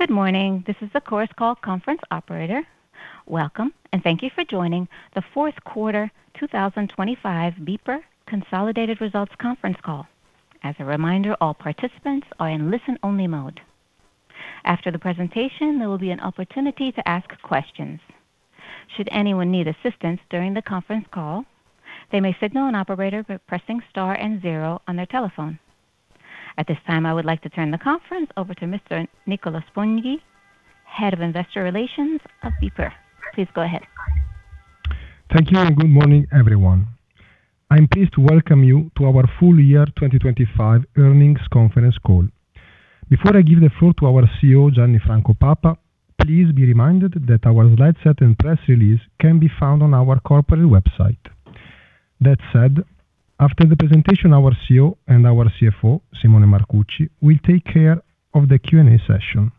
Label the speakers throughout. Speaker 1: Good morning, this is the Chorus Call conference operator. Welcome, and thank you for joining the fourth quarter 2025 BPER Consolidated Results conference call. As a reminder, all participants are in listen-only mode. After the presentation, there will be an opportunity to ask questions. Should anyone need assistance during the conference call, they may signal an operator by pressing star and zero on their telephone. At this time, I would like to turn the conference over to Mr. Nicola Sponghi, Head of Investor Relations of BPER. Please go ahead.
Speaker 2: Thank you, and good morning, everyone. I'm pleased to welcome you to our full-year 2025 Earnings Conference Call. Before I give the floor to our CEO, Gianni Franco Papa, please be reminded that our slideset and press release can be found on our corporate website. That said, after the presentation, our CEO and our CFO, Simone Marcucci, will take care of the Q&A session.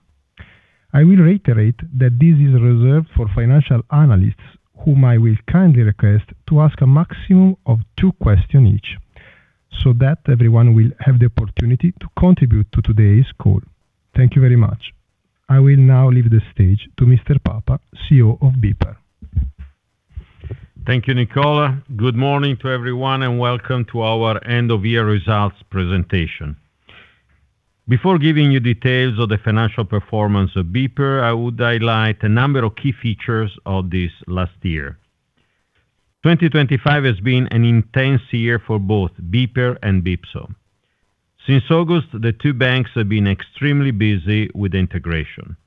Speaker 2: I will reiterate that this is reserved for financial analysts, whom I will kindly request to ask a maximum of two questions each, so that everyone will have the opportunity to contribute to today's call. Thank you very much. I will now leave the stage to Mr. Papa, CEO of BPER.
Speaker 3: Thank you, Nicola. Good morning to everyone, and welcome to our end-of-year results presentation. Before giving you details of the financial performance of BPER, I would highlight a number of key features of this last year. 2025 has been an intense year for both BPER and BIPSO. Since August, the two banks have been extremely busy with integration.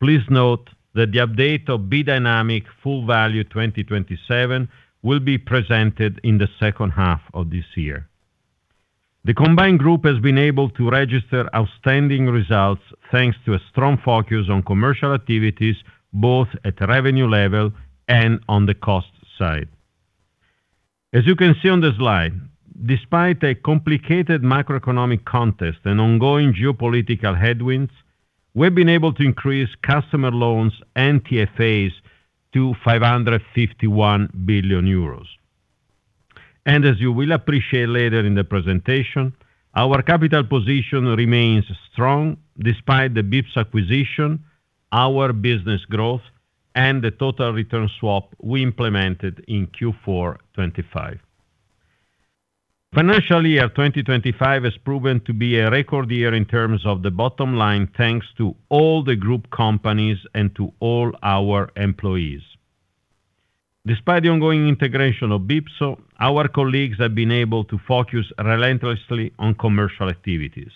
Speaker 3: Please note that the update of B-Dynamic Full Value 2027 will be presented in the second half of this year. The combined group has been able to register outstanding results thanks to a strong focus on commercial activities both at revenue level and on the cost side. As you can see on the slide, despite a complicated macroeconomic context and ongoing geopolitical headwinds, we've been able to increase customer loans and TFAs to 551 billion euros. As you will appreciate later in the presentation, our capital position remains strong despite the BIPSO acquisition, our business growth, and the total return swap we implemented in Q4 2025. Financial year 2025 has proven to be a record year in terms of the bottom line thanks to all the group companies and to all our employees. Despite the ongoing integration of BIPSO, our colleagues have been able to focus relentlessly on commercial activities.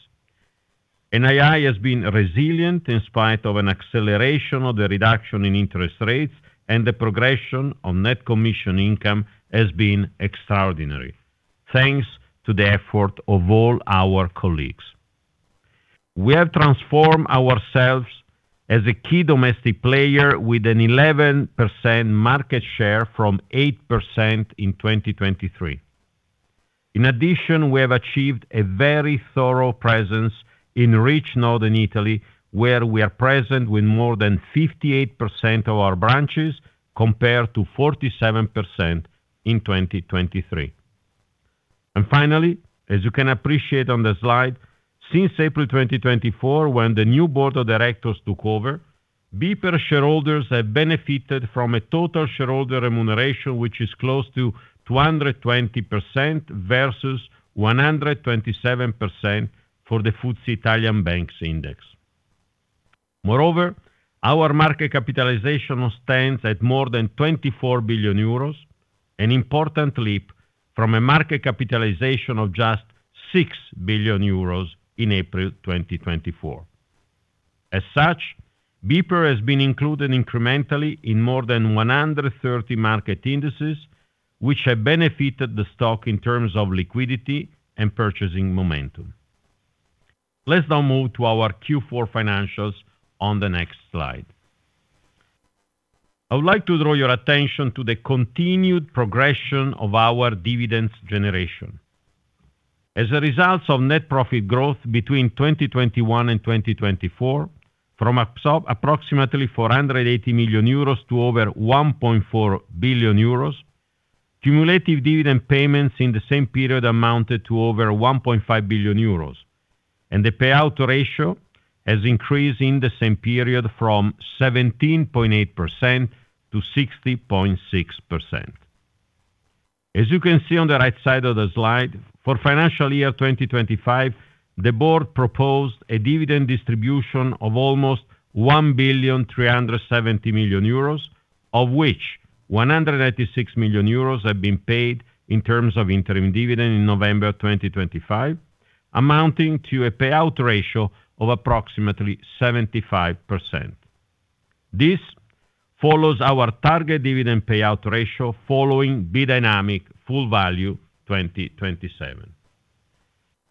Speaker 3: NII has been resilient in spite of an acceleration of the reduction in interest rates, and the progression of net commission income has been extraordinary, thanks to the effort of all our colleagues. We have transformed ourselves as a key domestic player with an 11% market share from 8% in 2023. In addition, we have achieved a very thorough presence in Northern Italy, where we are present with more than 58% of our branches compared to 47% in 2023. And finally, as you can appreciate on the slide, since April 2024, when the new board of directors took over, BPER shareholders have benefited from a total shareholder remuneration which is close to 220% versus 127% for the FTSE Italian Banks Index. Moreover, our market capitalization stands at more than 24 billion euros, an important leap from a market capitalization of just 6 billion euros in April 2024. As such, BPER has been included incrementally in more than 130 market indices, which have benefited the stock in terms of liquidity and purchasing momentum. Let's now move to our Q4 financials on the next slide. I would like to draw your attention to the continued progression of our dividends generation. As a result of net profit growth between 2021 and 2024, from approximately 480 million euros to over 1.4 billion euros, cumulative dividend payments in the same period amounted to over 1.5 billion euros, and the payout ratio has increased in the same period from 17.8% to 60.6%. As you can see on the right side of the slide, for financial year 2025, the board proposed a dividend distribution of almost 1.370 million euros, of which 186 million euros have been paid in terms of interim dividend in November 2025, amounting to a payout ratio of approximately 75%. This follows our target dividend payout ratio following B-Dynamic Full Value 2027.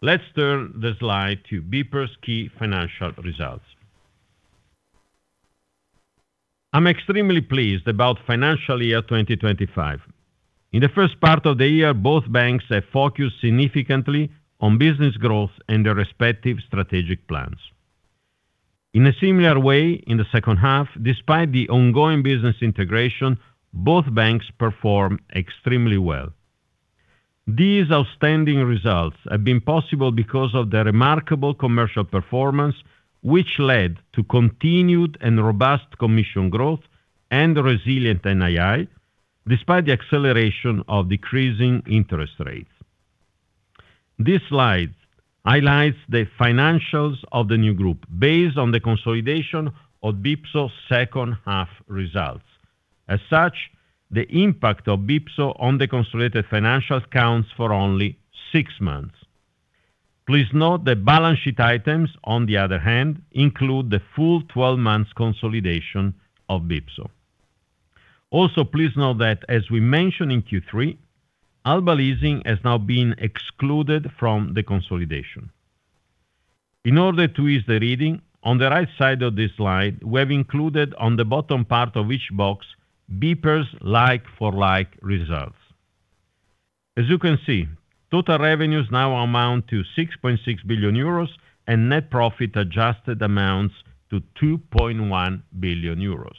Speaker 3: Let's turn the slide to BPER's key financial results. I'm extremely pleased about financial year 2025. In the first part of the year, both banks have focused significantly on business growth and their respective strategic plans. In a similar way, in the second half, despite the ongoing business integration, both banks performed extremely well. These outstanding results have been possible because of the remarkable commercial performance, which led to continued and robust commission growth and resilient NII, despite the acceleration of decreasing interest rates. This slide highlights the financials of the new group based on the consolidation of BIPSO second half results. As such, the impact of BIPSO on the consolidated financials counts for only six months. Please note that balance sheet items, on the other hand, include the full 12-month consolidation of BIPSO. Also, please note that, as we mentioned in Q3, Alba Leasing has now been excluded from the consolidation. In order to ease the reading, on the right side of this slide, we have included, on the bottom part of each box, BIPSO like-for-like results. As you can see, total revenues now amount to 6.6 billion euros, and net profit adjusted amounts to 2.1 billion euros.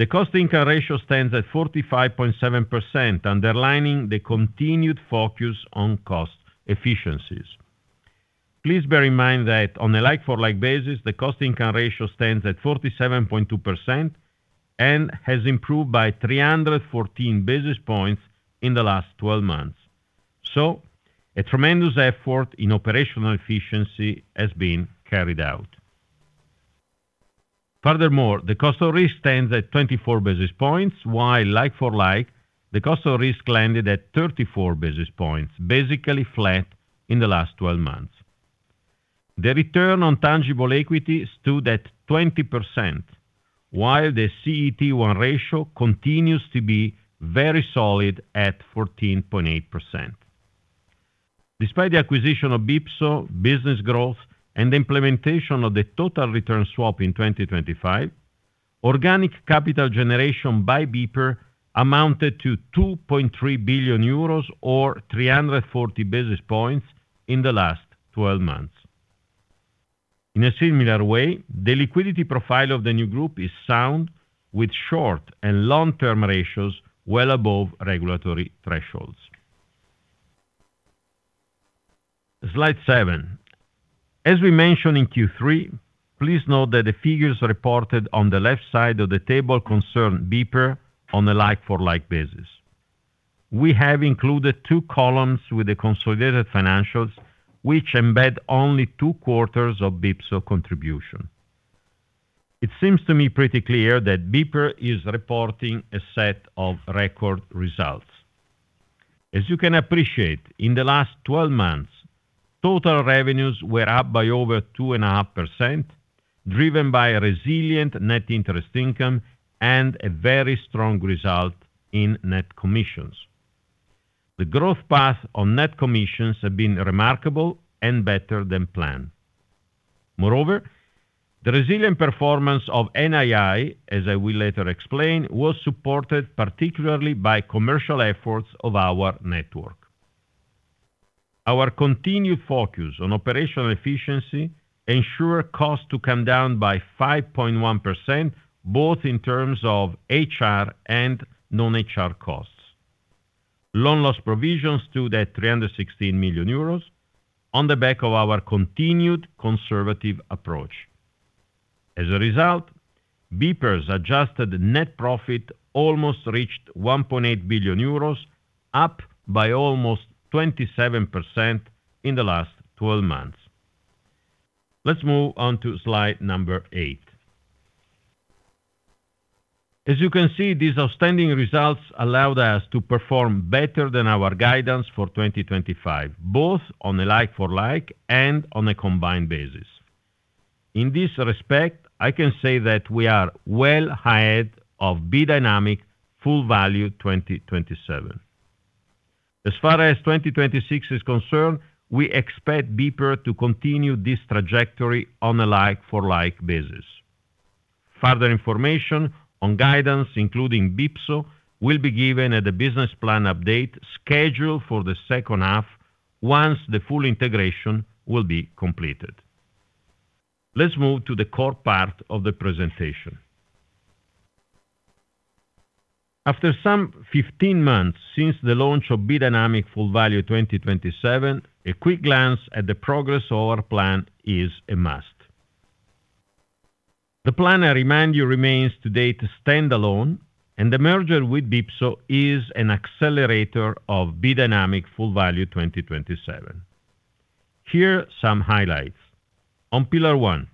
Speaker 3: The cost-to-income ratio stands at 45.7%, underlining the continued focus on cost efficiencies. Please bear in mind that, on a like-for-like basis, the cost-to-income ratio stands at 47.2% and has improved by 314 basis points in the last 12 months. So, a tremendous effort in operational efficiency has been carried out. Furthermore, the cost of risk stands at 24 basis points, while like-for-like, the cost of risk landed at 34 basis points, basically flat in the last 12 months. The return on tangible equity stood at 20%, while the CET1 ratio continues to be very solid at 14.8%. Despite the acquisition of BIPSO, business growth, and the implementation of the total return swap in 2025, organic capital generation by BPER amounted to 2.3 billion euros or 340 basis points in the last 12 months. In a similar way, the liquidity profile of the new group is sound, with short and long-term ratios well above regulatory thresholds. Slide 7. As we mentioned in Q3, please note that the figures reported on the left side of the table concern BPER on a like-for-like basis. We have included two columns with the consolidated financials, which embed only two quarters of BIPSO contribution. It seems to me pretty clear that BPER is reporting a set of record results. As you can appreciate, in the last 12 months, total revenues were up by over 2.5%, driven by resilient net interest income and a very strong result in net commissions. The growth path on net commissions has been remarkable and better than planned. Moreover, the resilient performance of NII, as I will later explain, was supported particularly by commercial efforts of our network. Our continued focus on operational efficiency ensured costs to come down by 5.1%, both in terms of HR and non-HR costs. Loan loss provisions stood at 316 million euros on the back of our continued conservative approach. As a result, BPER's adjusted net profit almost reached 1.8 billion euros, up by almost 27% in the last 12 months. Let's move on to slide number eight. As you can see, these outstanding results allowed us to perform better than our guidance for 2025, both on a like-for-like and on a combined basis. In this respect, I can say that we are well ahead of B-Dynamic Full Value 2027. As far as 2026 is concerned, we expect BPER to continue this trajectory on a like-for-like basis. Further information on guidance, including BIPSO, will be given at the business plan update scheduled for the second half once the full integration will be completed. Let's move to the core part of the presentation. After some 15 months since the launch of B-Dynamic Full Value 2027, a quick glance at the progress of our plan is a must. The plan, I remind you, remains to date standalone, and the merger with BIPSO is an accelerator of B-Dynamic Full Value 2027. Here are some highlights. On pillar 1: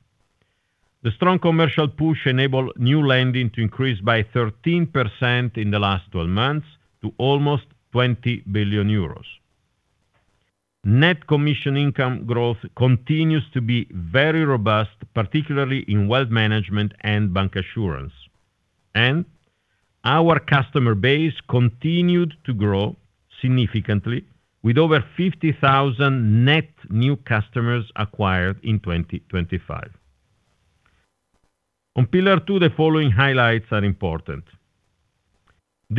Speaker 3: The strong commercial push enabled new lending to increase by 13% in the last 12 months to almost 20 billion euros. Net commission income growth continues to be very robust, particularly in wealth management and bancassurance. Our customer base continued to grow significantly, with over 50,000 net new customers acquired in 2025. On pillar 2, the following highlights are important: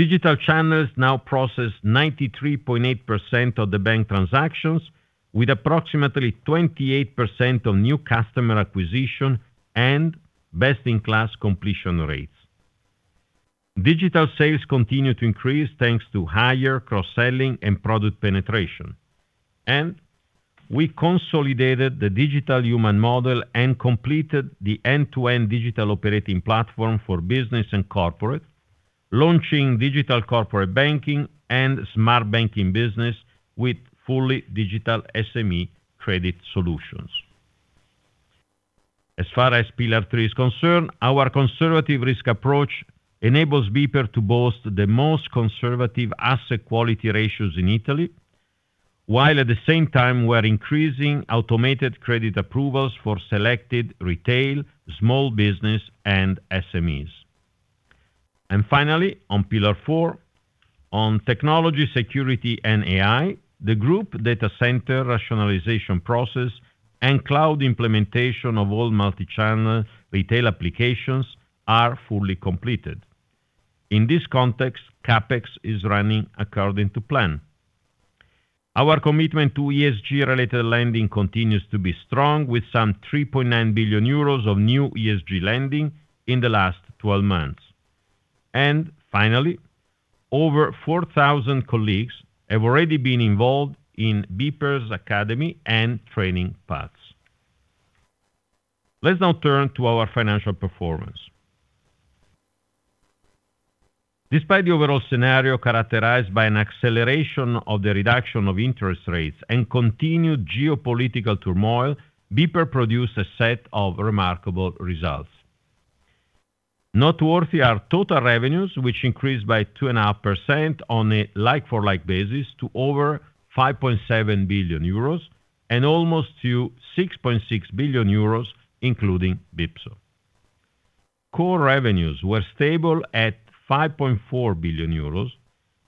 Speaker 3: Digital channels now process 93.8% of the bank transactions, with approximately 28% of new customer acquisition and best-in-class completion rates. Digital sales continue to increase thanks to higher cross-selling and product penetration. We consolidated the digital human model and completed the end-to-end digital operating platform for business and corporate, launching Digital Corporate Banking and Smart Banking Business with fully digital SME credit solutions. As far as pillar 3 is concerned, our conservative risk approach enables BPER to boast the most conservative asset quality ratios in Italy, while at the same time we are increasing automated credit approvals for selected retail, small business, and SMEs. Finally, on pillar 4: On technology, security, and AI, the group data center rationalization process, and cloud implementation of all multi-channel retail applications are fully completed. In this context, CapEx is running according to plan. Our commitment to ESG-related lending continues to be strong, with some 3.9 billion euros of new ESG lending in the last 12 months. Finally, over 4,000 colleagues have already been involved in BPER's academy and training paths. Let's now turn to our financial performance. Despite the overall scenario characterized by an acceleration of the reduction of interest rates and continued geopolitical turmoil, BPER produced a set of remarkable results. Noteworthy are total revenues, which increased by 2.5% on a like-for-like basis to over 5.7 billion euros and almost to 6.6 billion euros, including BIPSO. Core revenues were stable at 5.4 billion euros,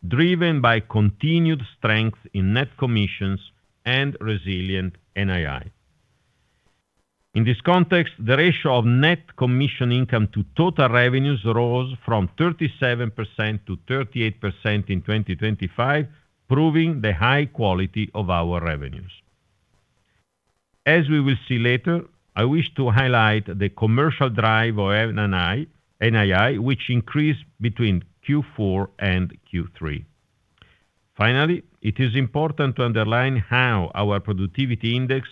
Speaker 3: driven by continued strength in net commissions and resilient NII. In this context, the ratio of net commission income to total revenues rose from 37%-38% in 2025, proving the high quality of our revenues. As we will see later, I wish to highlight the commercial drive of NII, which increased between Q4 and Q3. Finally, it is important to underline how our productivity index,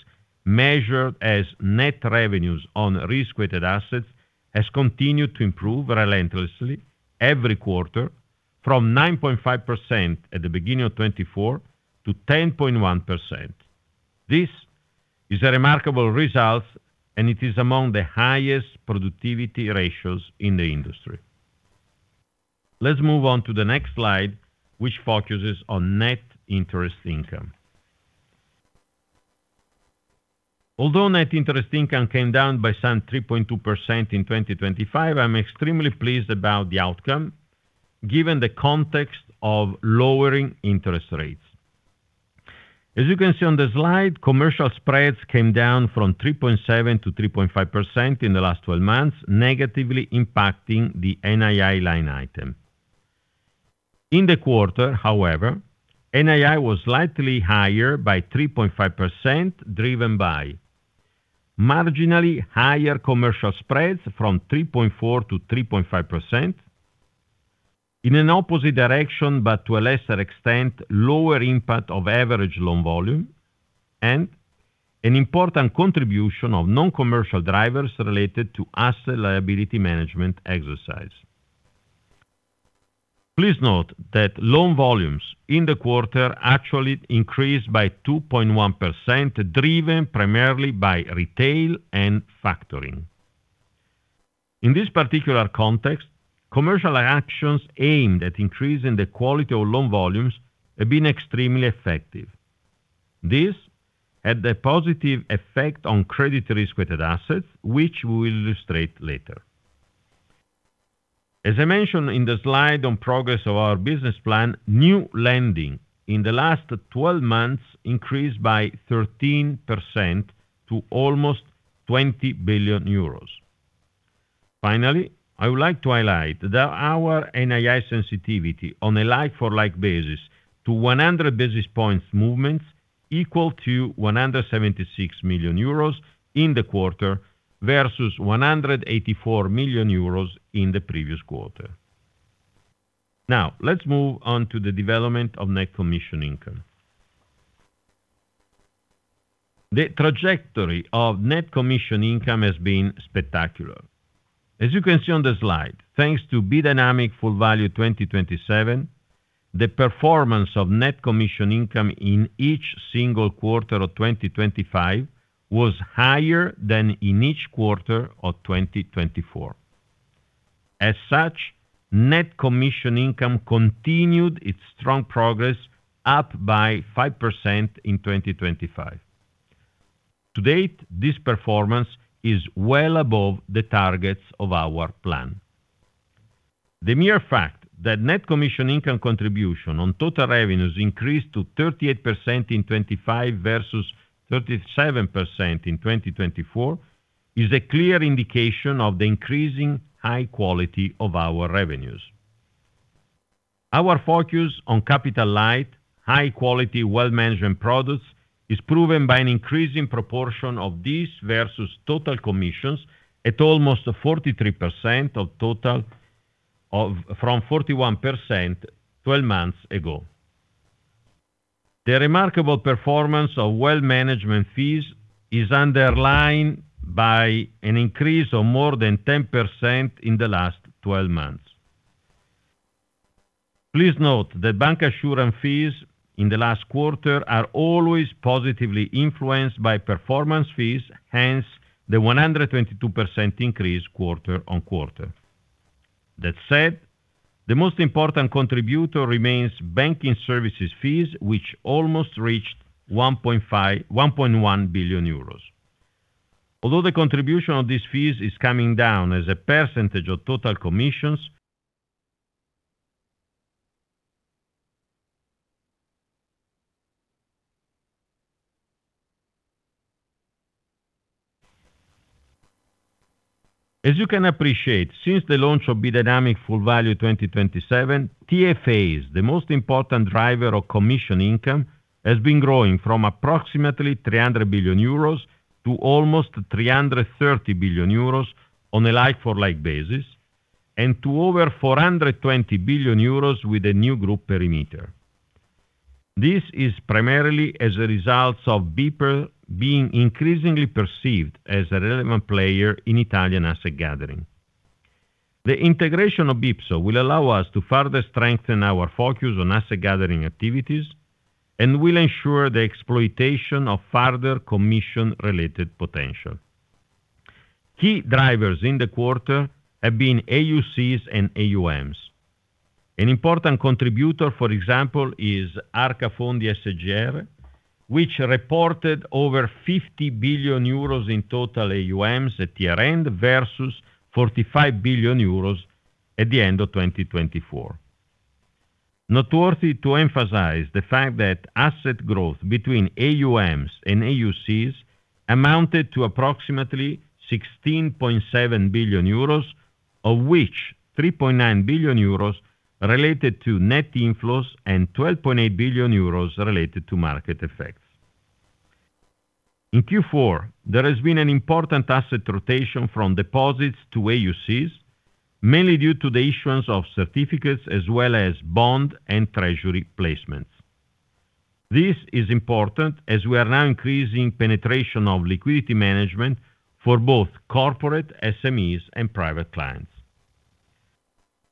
Speaker 3: measured as net revenues on risk-weighted assets, has continued to improve relentlessly every quarter, from 9.5% at the beginning of 2024 to 10.1%. This is a remarkable result, and it is among the highest productivity ratios in the industry. Let's move on to the next slide, which focuses on net interest income. Although net interest income came down by some 3.2% in 2025, I'm extremely pleased about the outcome, given the context of lowering interest rates. As you can see on the slide, commercial spreads came down from 3.7%-3.5% in the last 12 months, negatively impacting the NII line item. In the quarter, however, NII was slightly higher by 3.5%, driven by: Marginally higher commercial spreads from 3.4%-3.5%. In an opposite direction, but to a lesser extent, lower impact of average loan volume. And an important contribution of non-commercial drivers related to asset liability management exercise. Please note that loan volumes in the quarter actually increased by 2.1%, driven primarily by retail and factoring. In this particular context, commercial actions aimed at increasing the quality of loan volumes have been extremely effective. This had a positive effect on credit risk-weighted assets, which we will illustrate later. As I mentioned in the slide on progress of our business plan, new lending in the last 12 months increased by 13% to almost 20 billion euros. Finally, I would like to highlight that our NII sensitivity, on a like-for-like basis, to 100 basis points movements equaled to 176 million euros in the quarter versus 184 million euros in the previous quarter. Now, let's move on to the development of net commission income. The trajectory of net commission income has been spectacular. As you can see on the slide, thanks to B-Dynamic Full Value 2027, the performance of net commission income in each single quarter of 2025 was higher than in each quarter of 2024. As such, net commission income continued its strong progress, up by 5% in 2025. To date, this performance is well above the targets of our plan. The mere fact that net commission income contribution on total revenues increased to 38% in 2025 versus 37% in 2024 is a clear indication of the increasing high quality of our revenues. Our focus on capital-light, high-quality, well-managed products is proven by an increasing proportion of these versus total commissions at almost 43% from 41% 12 months ago. The remarkable performance of well-managed fees is underlined by an increase of more than 10% in the last 12 months. Please note that bancassurance fees in the last quarter are always positively influenced by performance fees, hence the 122% increase quarter-over-quarter. That said, the most important contributor remains banking services fees, which almost reached 1.1 billion euros. Although the contribution of these fees is coming down as a percentage of total commissions, as you can appreciate, since the launch of B-Dynamic Full Value 2027, TFAs, the most important driver of commission income, have been growing from approximately 300 billion euros to almost 330 billion euros on a like-for-like basis and to over 420 billion euros with a new group perimeter. This is primarily as a result of BPER being increasingly perceived as a relevant player in Italian asset gathering. The integration of BIPSO will allow us to further strengthen our focus on asset gathering activities and will ensure the exploitation of further commission-related potential. Key drivers in the quarter have been AUCs and AUMs. An important contributor, for example, is Arca Fondi SGR, which reported over 50 billion euros in total AUMs at year-end versus 45 billion euros at the end of 2024. Noteworthy to emphasize the fact that asset growth between AUMs and AUCs amounted to approximately 16.7 billion euros, of which 3.9 billion euros related to net inflows and 12.8 billion euros related to market effects. In Q4, there has been an important asset rotation from deposits to AUCs, mainly due to the issuance of certificates as well as bond and treasury placements. This is important as we are now increasing penetration of liquidity management for both corporate SMEs and private clients.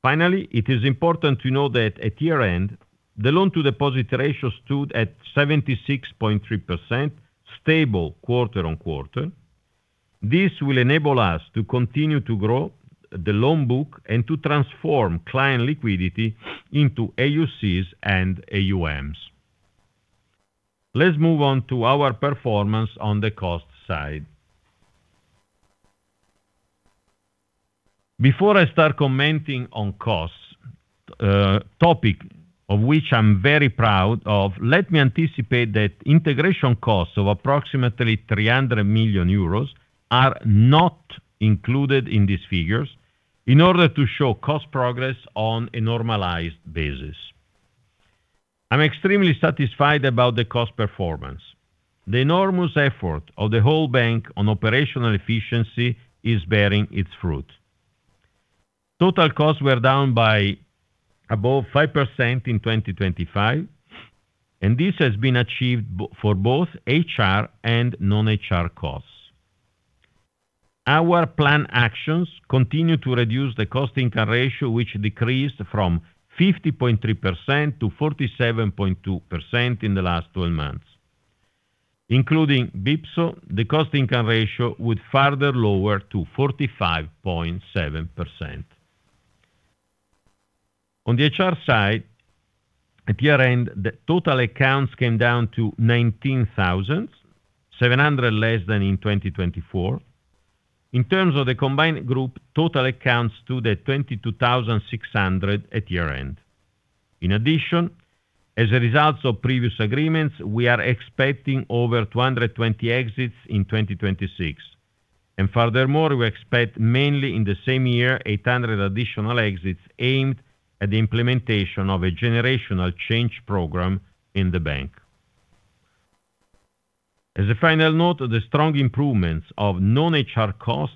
Speaker 3: Finally, it is important to know that at year-end, the loan-to-deposit ratio stood at 76.3%, stable quarter-on-quarter. This will enable us to continue to grow the loan book and to transform client liquidity into AUCs and AUMs. Let's move on to our performance on the cost side. Before I start commenting on costs, a topic of which I'm very proud of, let me anticipate that integration costs of approximately 300 million euros are not included in these figures in order to show cost progress on a normalized basis. I'm extremely satisfied about the cost performance. The enormous effort of the whole bank on operational efficiency is bearing its fruit. Total costs were down by above 5% in 2025, and this has been achieved for both HR and non-HR costs. Our plan actions continue to reduce the cost income ratio, which decreased from 50.3% to 47.2% in the last 12 months. Including BIPSO, the cost income ratio would further lower to 45.7%. On the HR side, at year-end, the total accounts came down to 19,000, 700 less than in 2024. In terms of the combined group, total accounts stood at 22,600 at year-end. In addition, as a result of previous agreements, we are expecting over 220 exits in 2026, and furthermore, we expect mainly in the same year 800 additional exits aimed at the implementation of a generational change program in the bank. As a final note, the strong improvements of non-HR costs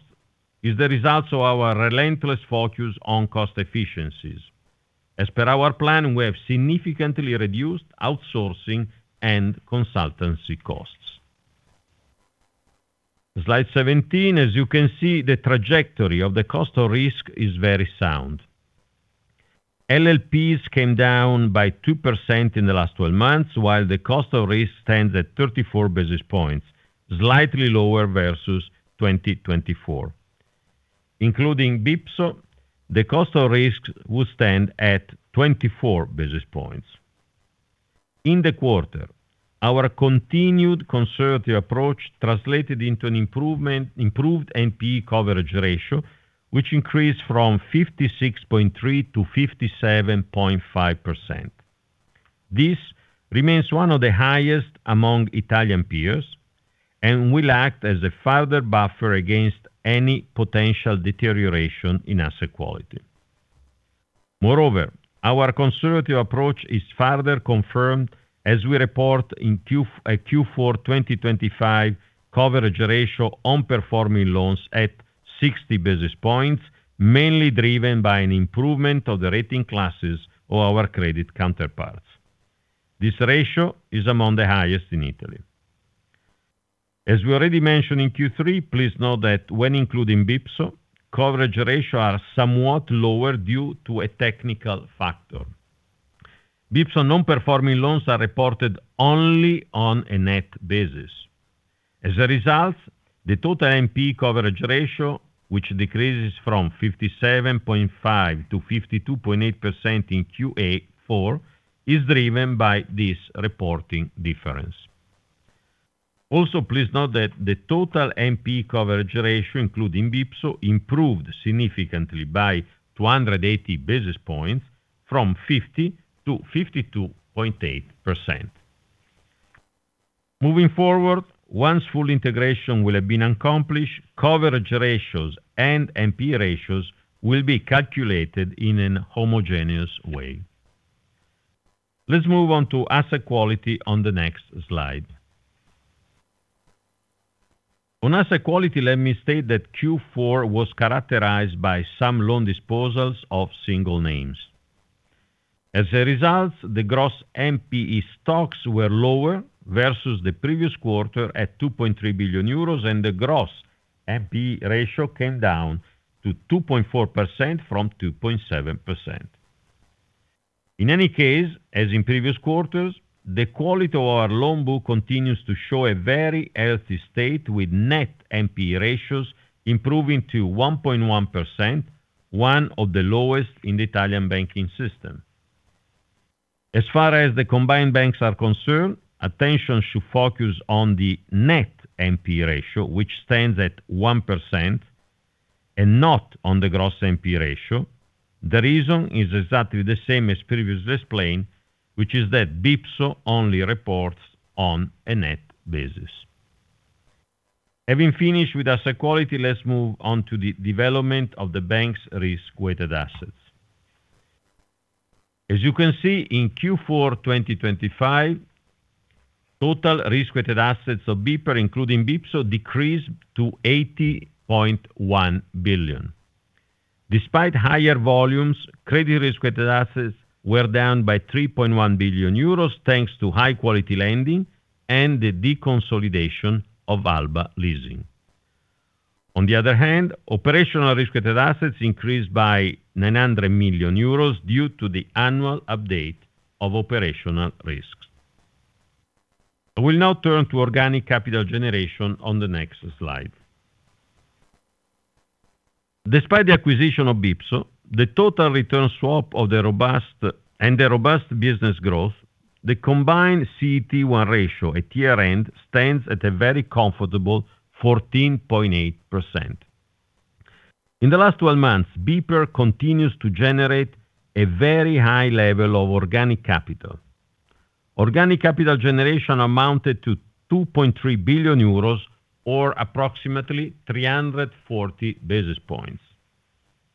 Speaker 3: are the result of our relentless focus on cost efficiencies. As per our plan, we have significantly reduced outsourcing and consultancy costs. Slide 17, as you can see, the trajectory of the cost of risk is very sound. LLPs came down by 2% in the last 12 months, while the cost of risk stands at 34 basis points, slightly lower versus 2024. Including BIPSO, the cost of risk would stand at 24 basis points. In the quarter, our continued conservative approach translated into an improved NPE coverage ratio, which increased from 56.3%-57.5%. This remains one of the highest among Italian peers, and will act as a further buffer against any potential deterioration in asset quality. Moreover, our conservative approach is further confirmed as we report a Q4 2025 coverage ratio on performing loans at 60 basis points, mainly driven by an improvement of the rating classes of our credit counterparts. This ratio is among the highest in Italy. As we already mentioned in Q3, please note that when including BIPSO, coverage ratios are somewhat lower due to a technical factor. BIPSO non-performing loans are reported only on a net basis. As a result, the total NPE coverage ratio, which decreases from 57.5% to 52.8% in Q4, is driven by this reporting difference. Also, please note that the total NPE coverage ratio, including BIPSO, improved significantly by 280 basis points, from 50%-52.8%. Moving forward, once full integration will have been accomplished, coverage ratios and NPE ratios will be calculated in a homogeneous way. Let's move on to asset quality on the next slide. On asset quality, let me state that Q4 was characterized by some loan disposals of single names. As a result, the gross NPE stocks were lower versus the previous quarter at 2.3 billion euros, and the gross NPE ratio came down to 2.4% from 2.7%. In any case, as in previous quarters, the quality of our loan book continues to show a very healthy state, with net NPE ratios improving to 1.1%, one of the lowest in the Italian banking system. As far as the combined banks are concerned, attention should focus on the net NPE ratio, which stands at 1%, and not on the gross NPE ratio. The reason is exactly the same as previously explained, which is that BIPSO only reports on a net basis. Having finished with asset quality, let's move on to the development of the bank's risk-weighted assets. As you can see, in Q4 2025, total risk-weighted assets of BPER, including BIPSO, decreased to 80.1 billion. Despite higher volumes, credit risk-weighted assets were down by 3.1 billion euros, thanks to high-quality lending and the deconsolidation of Alba Leasing. On the other hand, operational risk-weighted assets increased by 900 million euros due to the annual update of operational risks. I will now turn to organic capital generation on the next slide. Despite the acquisition of BIPSO, the total return swap of the robust and the robust business growth, the combined CET1 ratio at year-end stands at a very comfortable 14.8%. In the last 12 months, BPER continues to generate a very high level of organic capital. Organic capital generation amounted to 2.3 billion euros, or approximately 340 basis points.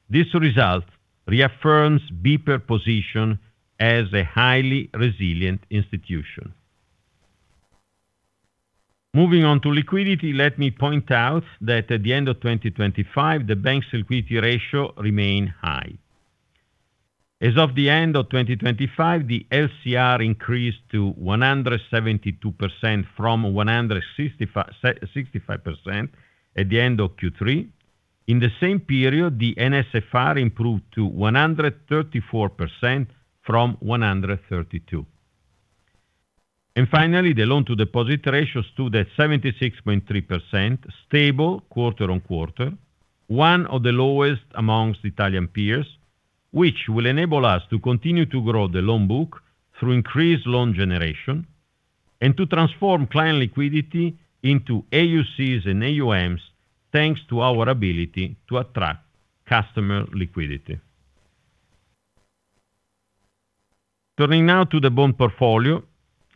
Speaker 3: This result reaffirms BPER's position as a highly resilient institution. Moving on to liquidity, let me point out that at the end of 2025, the bank's liquidity ratio remained high. As of the end of 2025, the LCR increased to 172% from 165% at the end of Q3. In the same period, the NSFR improved to 134% from 132%. Finally, the loan-to-deposit ratio stood at 76.3%, stable quarter-over-quarter, one of the lowest among Italian peers, which will enable us to continue to grow the loan book through increased loan generation and to transform client liquidity into AUCs and AUMs, thanks to our ability to attract customer liquidity. Turning now to the bond portfolio,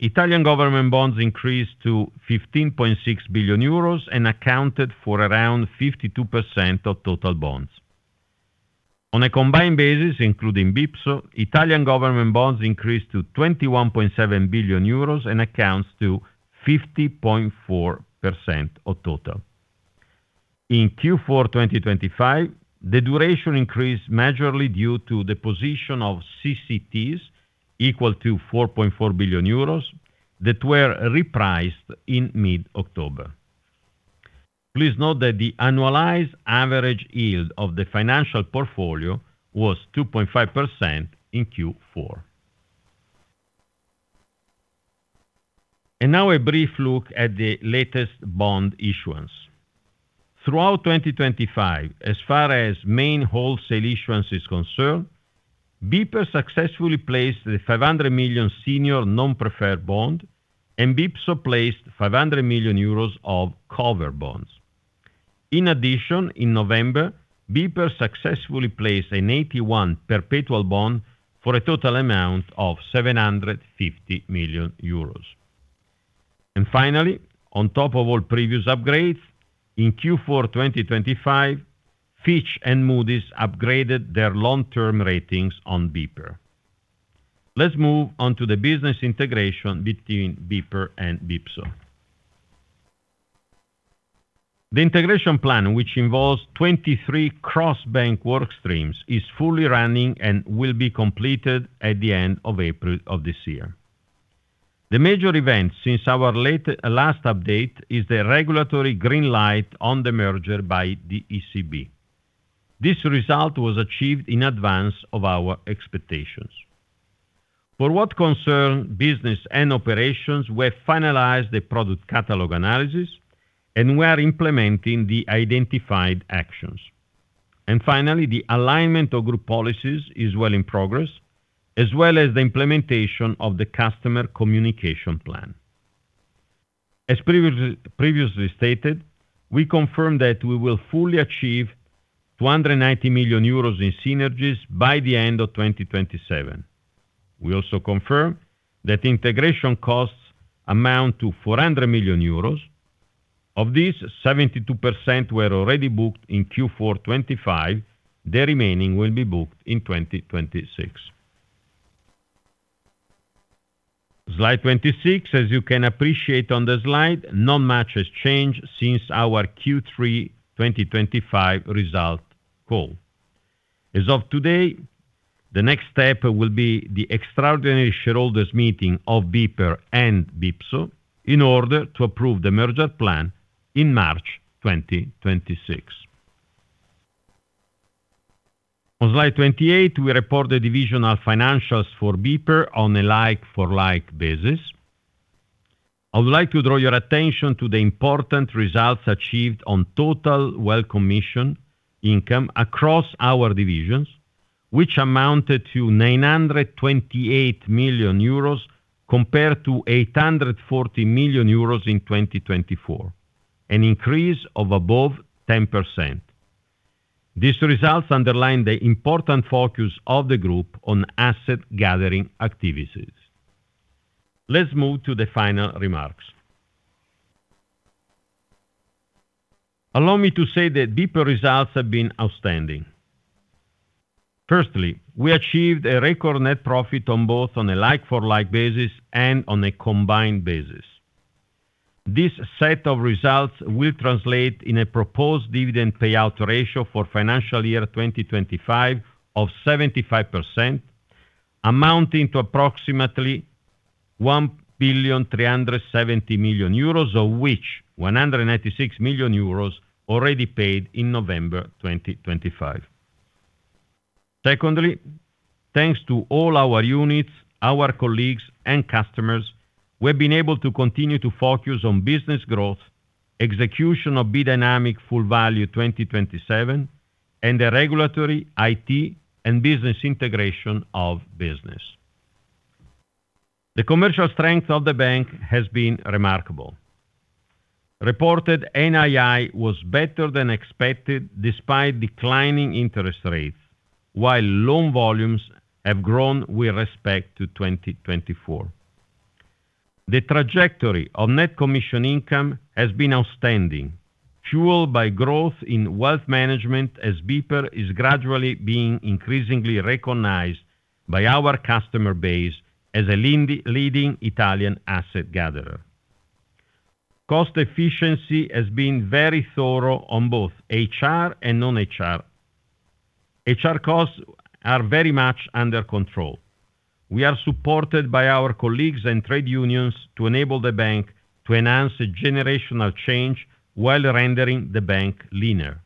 Speaker 3: Italian government bonds increased to 15.6 billion euros and accounted for around 52% of total bonds. On a combined basis, including BIPSO, Italian government bonds increased to 21.7 billion euros and accounted for 50.4% of total. In Q4 2025, the duration increased majorly due to the position of CCTs, equal to 4.4 billion euros, that were repriced in mid-October. Please note that the annualized average yield of the financial portfolio was 2.5% in Q4. Now a brief look at the latest bond issuance. Throughout 2025, as far as main wholesale issuance is concerned, BPER successfully placed the 500 million senior non-preferred bond, and BIPSO placed 500 million euros of cover bonds. In addition, in November, BPER successfully placed an AT1 perpetual bond for a total amount of 750 million euros. Finally, on top of all previous upgrades, in Q4 2025, Fitch and Moody's upgraded their long-term ratings on BPER. Let's move on to the business integration between BPER and BIPSO. The integration plan, which involves 23 cross-bank workstreams, is fully running and will be completed at the end of April of this year. The major event since our last update is the regulatory green light on the merger by the ECB. This result was achieved in advance of our expectations. For what concerns business and operations, we have finalized the product catalog analysis and we are implementing the identified actions. Finally, the alignment of group policies is well in progress, as well as the implementation of the customer communication plan. As previously stated, we confirm that we will fully achieve 290 million euros in synergies by the end of 2027. We also confirm that integration costs amount to 400 million euros. Of this, 72% were already booked in Q4 2025. The remaining will be booked in 2026. Slide 26, as you can appreciate on the slide, not much has changed since our Q3 2025 result call. As of today, the next step will be the extraordinary shareholders' meeting of BPER and BIPSO in order to approve the merger plan in March 2026. On slide 28, we report the divisional financials for BPER on a like-for-like basis. I would like to draw your attention to the important results achieved on total wealth management income across our divisions, which amounted to 928 million euros compared to 840 million euros in 2024, an increase of above 10%. These results underline the important focus of the group on asset-gathering activities. Let's move to the final remarks. Allow me to say that BPER results have been outstanding. Firstly, we achieved a record net profit on both a like-for-like basis and on a combined basis. This set of results will translate in a proposed dividend payout ratio for financial year 2025 of 75%, amounting to approximately 1,370 million euros, of which 196 million euros already paid in November 2025. Secondly, thanks to all our units, our colleagues, and customers, we have been able to continue to focus on business growth, execution of B-Dynamic Full Value 2027, and the regulatory IT and business integration of business. The commercial strength of the bank has been remarkable. Reported NII was better than expected despite declining interest rates, while loan volumes have grown with respect to 2024. The trajectory of net commission income has been outstanding, fueled by growth in wealth management as BPER is gradually being increasingly recognized by our customer base as a leading Italian asset gatherer. Cost efficiency has been very thorough on both HR and non-HR. HR costs are very much under control. We are supported by our colleagues and trade unions to enable the bank to enhance generational change while rendering the bank leaner.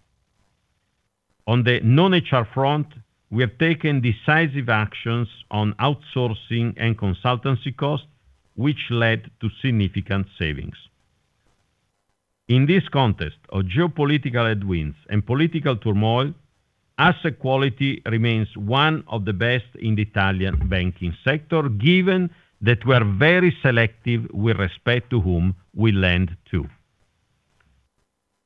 Speaker 3: On the non-HR front, we have taken decisive actions on outsourcing and consultancy costs, which led to significant savings. In this context of geopolitical headwinds and political turmoil, asset quality remains one of the best in the Italian banking sector, given that we are very selective with respect to whom we lend to.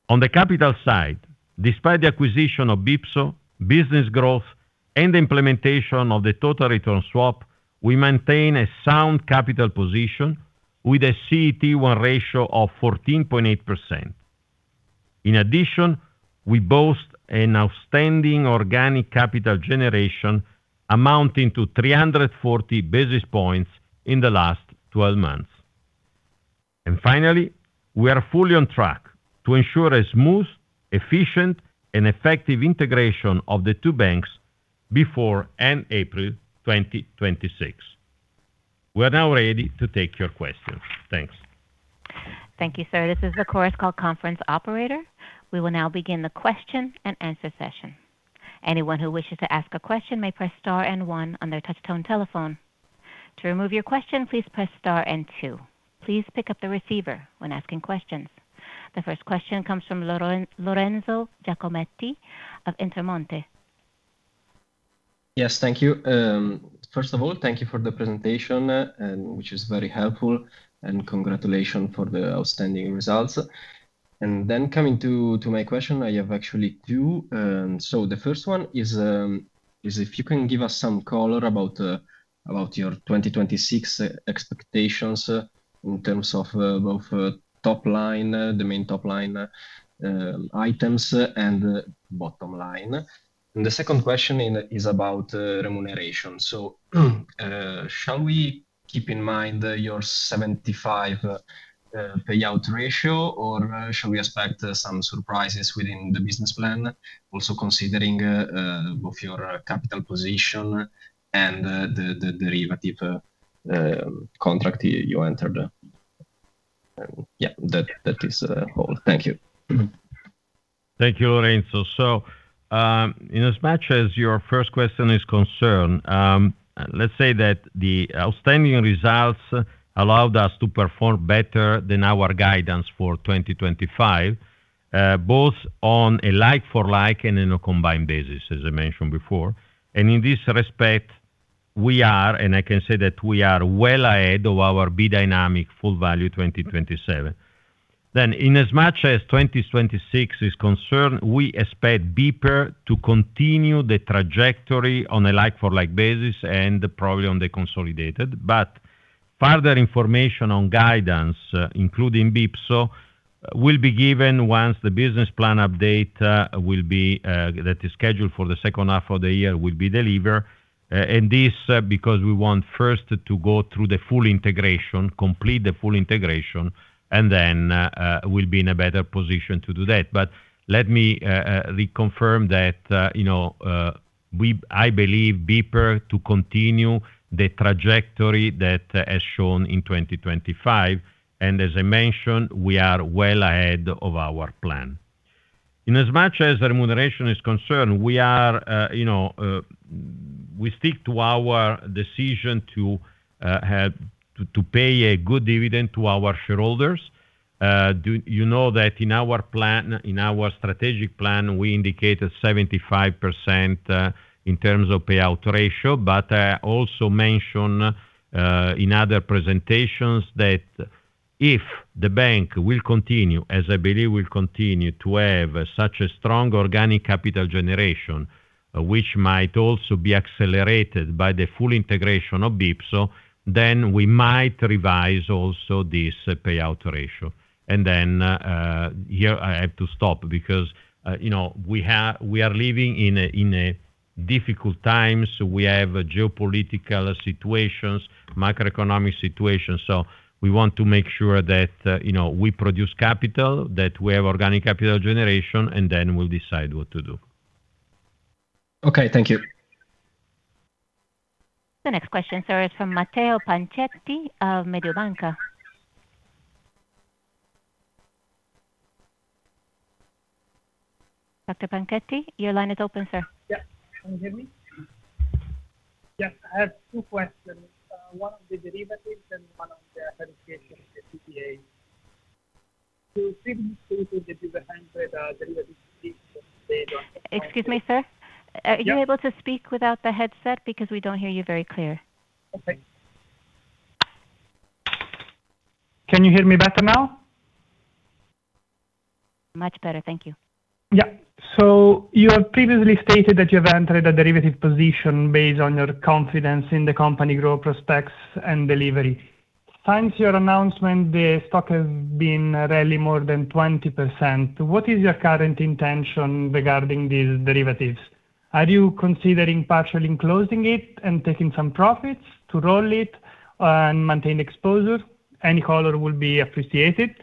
Speaker 3: On the capital side, despite the acquisition of BIPSO, business growth, and the implementation of the total return swap, we maintain a sound capital position with a CET1 ratio of 14.8%. In addition, we boast an outstanding organic capital generation amounting to 340 basis points in the last 12 months. And finally, we are fully on track to ensure a smooth, efficient, and effective integration of the two banks before end April 2026. We are now ready to take your questions. Thanks. Thank you, sir.
Speaker 1: This is the Chorus Call Conference Operator. We will now begin the question and answer session. Anyone who wishes to ask a question may press star and one on their touch-tone telephone. To remove your question, please press star and two. Please pick up the receiver when asking questions. The first question comes from Lorenzo Giacometti of Intermonte.
Speaker 4: Yes, thank you. First of all, thank you for the presentation, which is very helpful, and congratulations for the outstanding results. And then coming to my question, I have actually two. So the first one is if you can give us some color about your 2026 expectations in terms of both the main top-line items and bottom line. And the second question is about remuneration. So shall we keep in mind your 75% payout ratio, or shall we expect some surprises within the business plan, also considering both your capital position and the derivative contract you entered? Yeah, that is the whole. Thank you.
Speaker 3: Thank you, Lorenzo. So in as much as your first question is concerned, let's say that the outstanding results allowed us to perform better than our guidance for 2025, both on a like-for-like and on a combined basis, as I mentioned before. And in this respect, we are, and I can say that we are well ahead of our B-Dynamic Full Value 2027. Then in as much as 2026 is concerned, we expect BPER to continue the trajectory on a like-for-like basis and probably on the consolidated. But further information on guidance, including BIPSO, will be given once the business plan update that is scheduled for the second half of the year will be delivered. And this because we want first to go through the full integration, complete the full integration, and then we'll be in a better position to do that. But let me reconfirm that I believe BPER to continue the trajectory that is shown in 2025. And as I mentioned, we are well ahead of our plan. In as much as remuneration is concerned, we stick to our decision to pay a good dividend to our shareholders. You know that in our strategic plan, we indicated 75% in terms of payout ratio, but I also mentioned in other presentations that if the bank will continue, as I believe will continue, to have such a strong organic capital generation, which might also be accelerated by the full integration of BIPSO, then we might revise also this payout ratio. And then here I have to stop because we are living in difficult times. We have geopolitical situations, macroeconomic situations. So we want to make sure that we produce capital, that we have organic capital generation, and then we'll decide what to do.
Speaker 5: Okay. Thank you.
Speaker 1: The next question, sir, is from Matteo Pancetti of Mediobanca. Dr. Pancetti, your line is open, sir.
Speaker 6: Yep. Can you hear me? Yes. I have two questions. One on the derivatives and one on the application of the CPA.
Speaker 1: Excuse me, sir. Are you able to speak without the headset because we don't hear you very clear?
Speaker 6: Okay. Can you hear me better now?
Speaker 1: Much better. Thank you.
Speaker 6: Yep. So you have previously stated that you have entered a derivative position based on your confidence in the company growth prospects and delivery. Since your announcement, the stock has been rallying more than 20%. What is your current intention regarding these derivatives? Are you considering partially enclosing it and taking some profits to roll it and maintain exposure? Any color will be appreciated.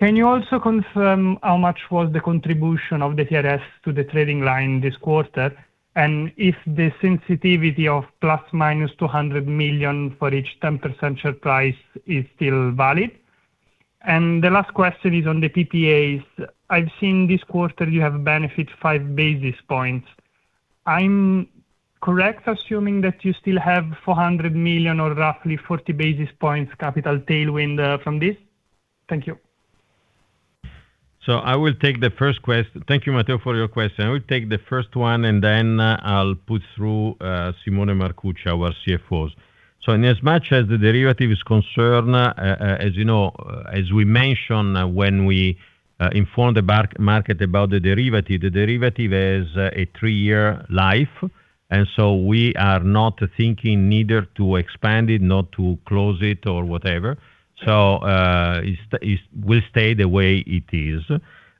Speaker 6: Can you also confirm how much was the contribution of the TRS to the trading line this quarter and if the sensitivity of ±200 million for each 10% share price is still valid? And the last question is on the PPAs. I've seen this quarter you have benefited 5 basis points. Am I correct assuming that you still have 400 million or roughly 40 basis points capital tailwind from this? Thank you.
Speaker 3: So I will take the first question. Thank you, Matteo, for your question. I will take the first one, and then I'll put through Simone Marcucci, our CFO. So in as much as the derivative is concerned, as we mentioned when we informed the market about the derivative, the derivative has a three-year life. And so we are not thinking neither to expand it, nor to close it, or whatever. So it will stay the way it is.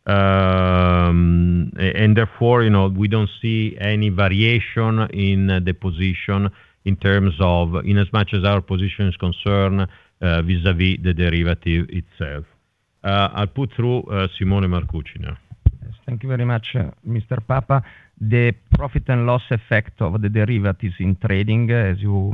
Speaker 3: And therefore, we don't see any variation in the position in terms of in as much as our position is concerned vis-à-vis the derivative itself. I'll put through Simone Marcucci.
Speaker 7: Yes. Thank you very much, Mr. Papa. The profit and loss effect of the derivatives in trading, as you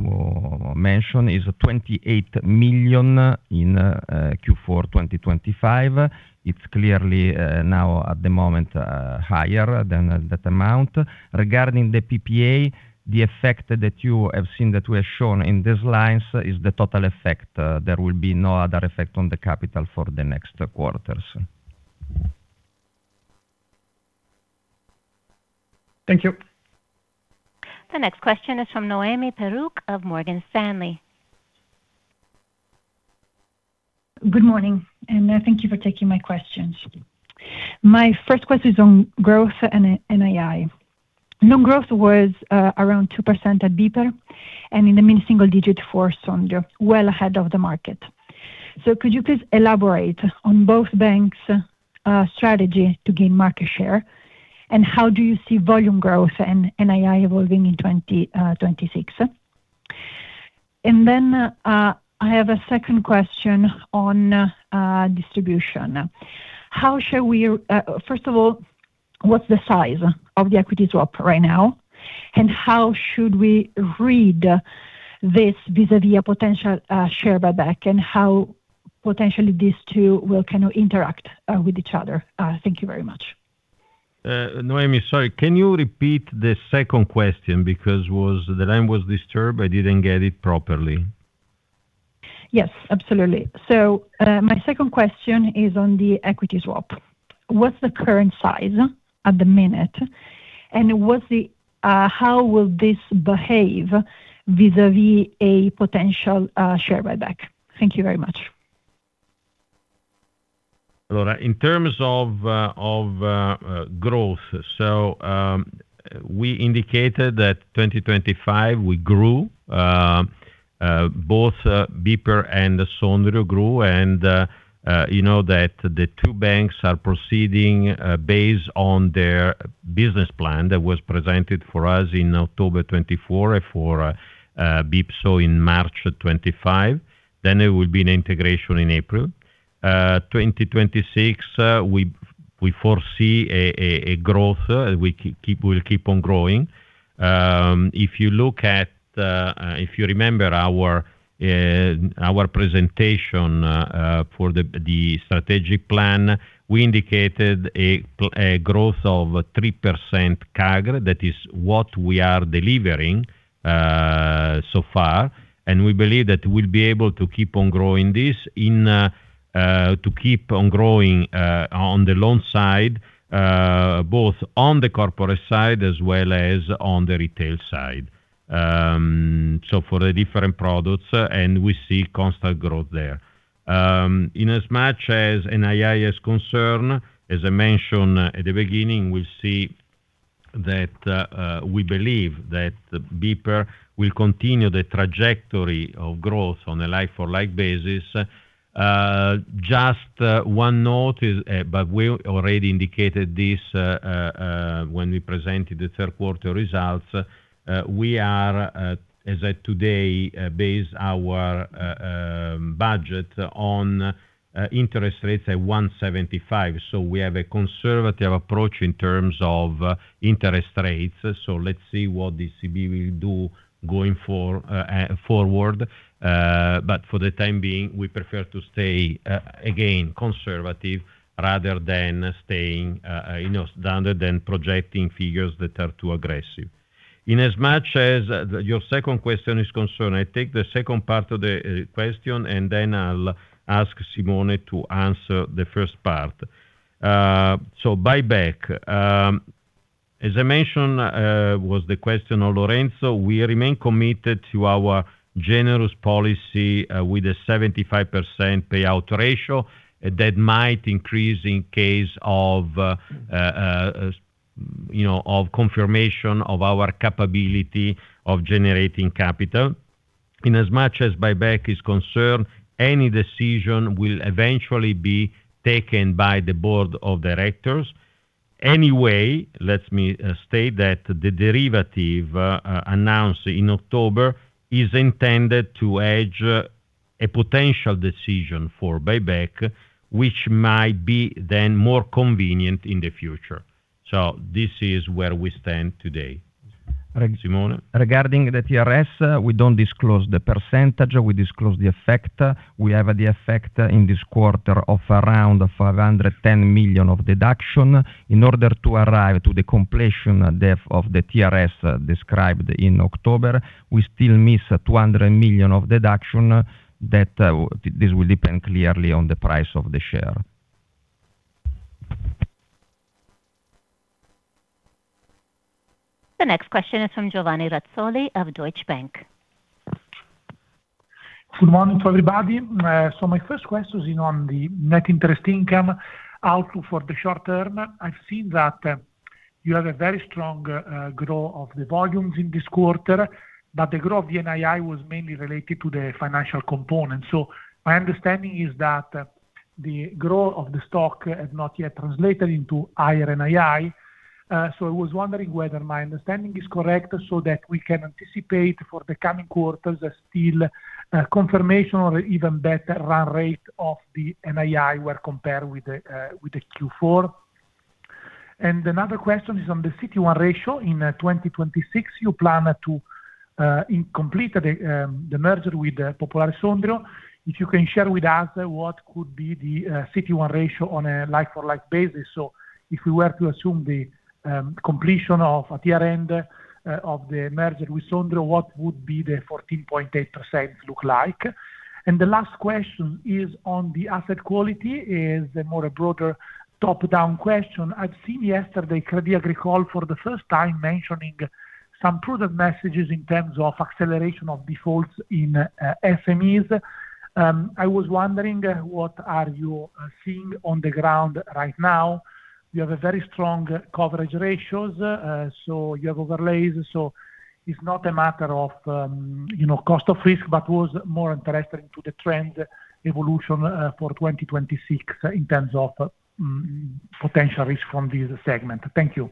Speaker 7: mentioned, is 28 million in Q4 2025. It's clearly now, at the moment, higher than that amount. Regarding the PPA, the effect that you have seen that we have shown in these lines is the total effect. There will be no other effect on the capital for the next quarters.
Speaker 6: Thank you.
Speaker 1: The next question is from Noemi Peruch of Morgan Stanley.
Speaker 8: Good morning. And thank you for taking my questions. My first question is on growth and NII. Loan growth was around 2% at BPER and in the mid-single-digit for Sondrio, well ahead of the market. So could you please elaborate on both banks' strategy to gain market share, and how do you see volume growth and NII evolving in 2026? And then I have a second question on distribution. First of all, what's the size of the equity swap right now? And how should we read this vis-à-vis a potential share buyback, and how potentially these two will kind of interact with each other? Thank you very much.
Speaker 3: Noemi, sorry. Can you repeat the second question because the line was disturbed? I didn't get it properly.
Speaker 8: Yes, absolutely. So my second question is on the equity swap. What's the current size at the minute? And how will this behave vis-à-vis a potential share buyback? Thank you very much.
Speaker 3: Allora, in terms of growth, so we indicated that 2025, we grew. Both BPER and Sondrio grew. And you know that the two banks are proceeding based on their business plan that was presented for us in October 2024 for BIPSO in March 2025. Then there will be an integration in April 2026. We foresee a growth. We will keep on growing. If you remember our presentation for the strategic plan, we indicated a growth of 3% CAGR. That is what we are delivering so far. And we believe that we'll be able to keep on growing this to keep on growing on the loan side, both on the corporate side as well as on the retail side, so for the different products. And we see constant growth there. Inasmuch as NII is concerned, as I mentioned at the beginning, we'll see that we believe that BPER will continue the trajectory of growth on a like-for-like basis. Just one note, but we already indicated this when we presented the third quarter results. We are, as at today, base our budget on interest rates at 1.75. So we have a conservative approach in terms of interest rates. So let's see what the ECB will do going forward. But for the time being, we prefer to stay, again, conservative rather than staying rather than projecting figures that are too aggressive. Inasmuch as your second question is concerned, I'll take the second part of the question, and then I'll ask Simone to answer the first part. So buyback, as I mentioned was the question on Lorenzo, we remain committed to our generous policy with a 75% payout ratio. That might increase in case of confirmation of our capability of generating capital. In as much as buyback is concerned, any decision will eventually be taken by the board of directors. Anyway, let me state that the derivative announced in October is intended to hedge a potential decision for buyback, which might be then more convenient in the future. So this is where we stand today,
Speaker 7: Simone. Regarding the TRS, we don't disclose the percentage. We disclose the effect. We have the effect in this quarter of around 510 million of deduction. In order to arrive to the completion of the TRS described in October, we still miss 200 million of deduction. This will depend clearly on the price of the share.
Speaker 1: The next question is from Giovanni Razzoli of Deutsche Bank.
Speaker 5: Good morning to everybody. So my first question is on the net interest income outlook for the short term. I've seen that you have a very strong growth of the volumes in this quarter, but the growth of the NII was mainly related to the financial component. So my understanding is that the growth of the stock has not yet translated into higher NII. So I was wondering whether my understanding is correct so that we can anticipate for the coming quarters still confirmation or even better run rate of the NII when compared with the Q4. And another question is on the CET1 ratio. In 2026, you plan to complete the merger with Popolare di Sondrio. If you can share with us what could be the CET1 ratio on a like-for-like basis. So if we were to assume the completion at year-end of the merger with Sondrio, what would the 14.8% look like? The last question is on the asset quality. It's a more broader top-down question. I've seen yesterday Crédit Agricole for the first time mentioning some prudent messages in terms of acceleration of defaults in SMEs. I was wondering what are you seeing on the ground right now? You have very strong coverage ratios, so you have overlays. So it's not a matter of cost of risk, but was more interested in the trend evolution for 2026 in terms of potential risk from this segment. Thank you.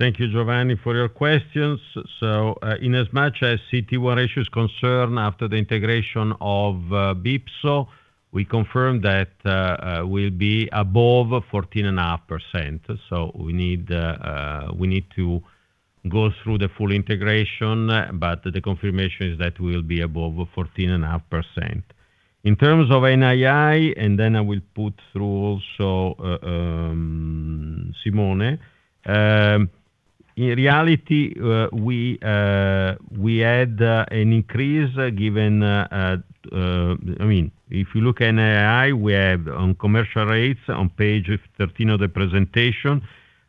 Speaker 3: Thank you, Giovanni, for your questions. In as much as CET1 ratio is concerned, after the integration of BIPSO, we confirm that we'll be above 14.5%. We need to go through the full integration, but the confirmation is that we'll be above 14.5%. In terms of NII, and then I will put through also Simone. In reality, we had an increase given, I mean, if you look at NII, we have on commercial rates, on page 13 of the presentation,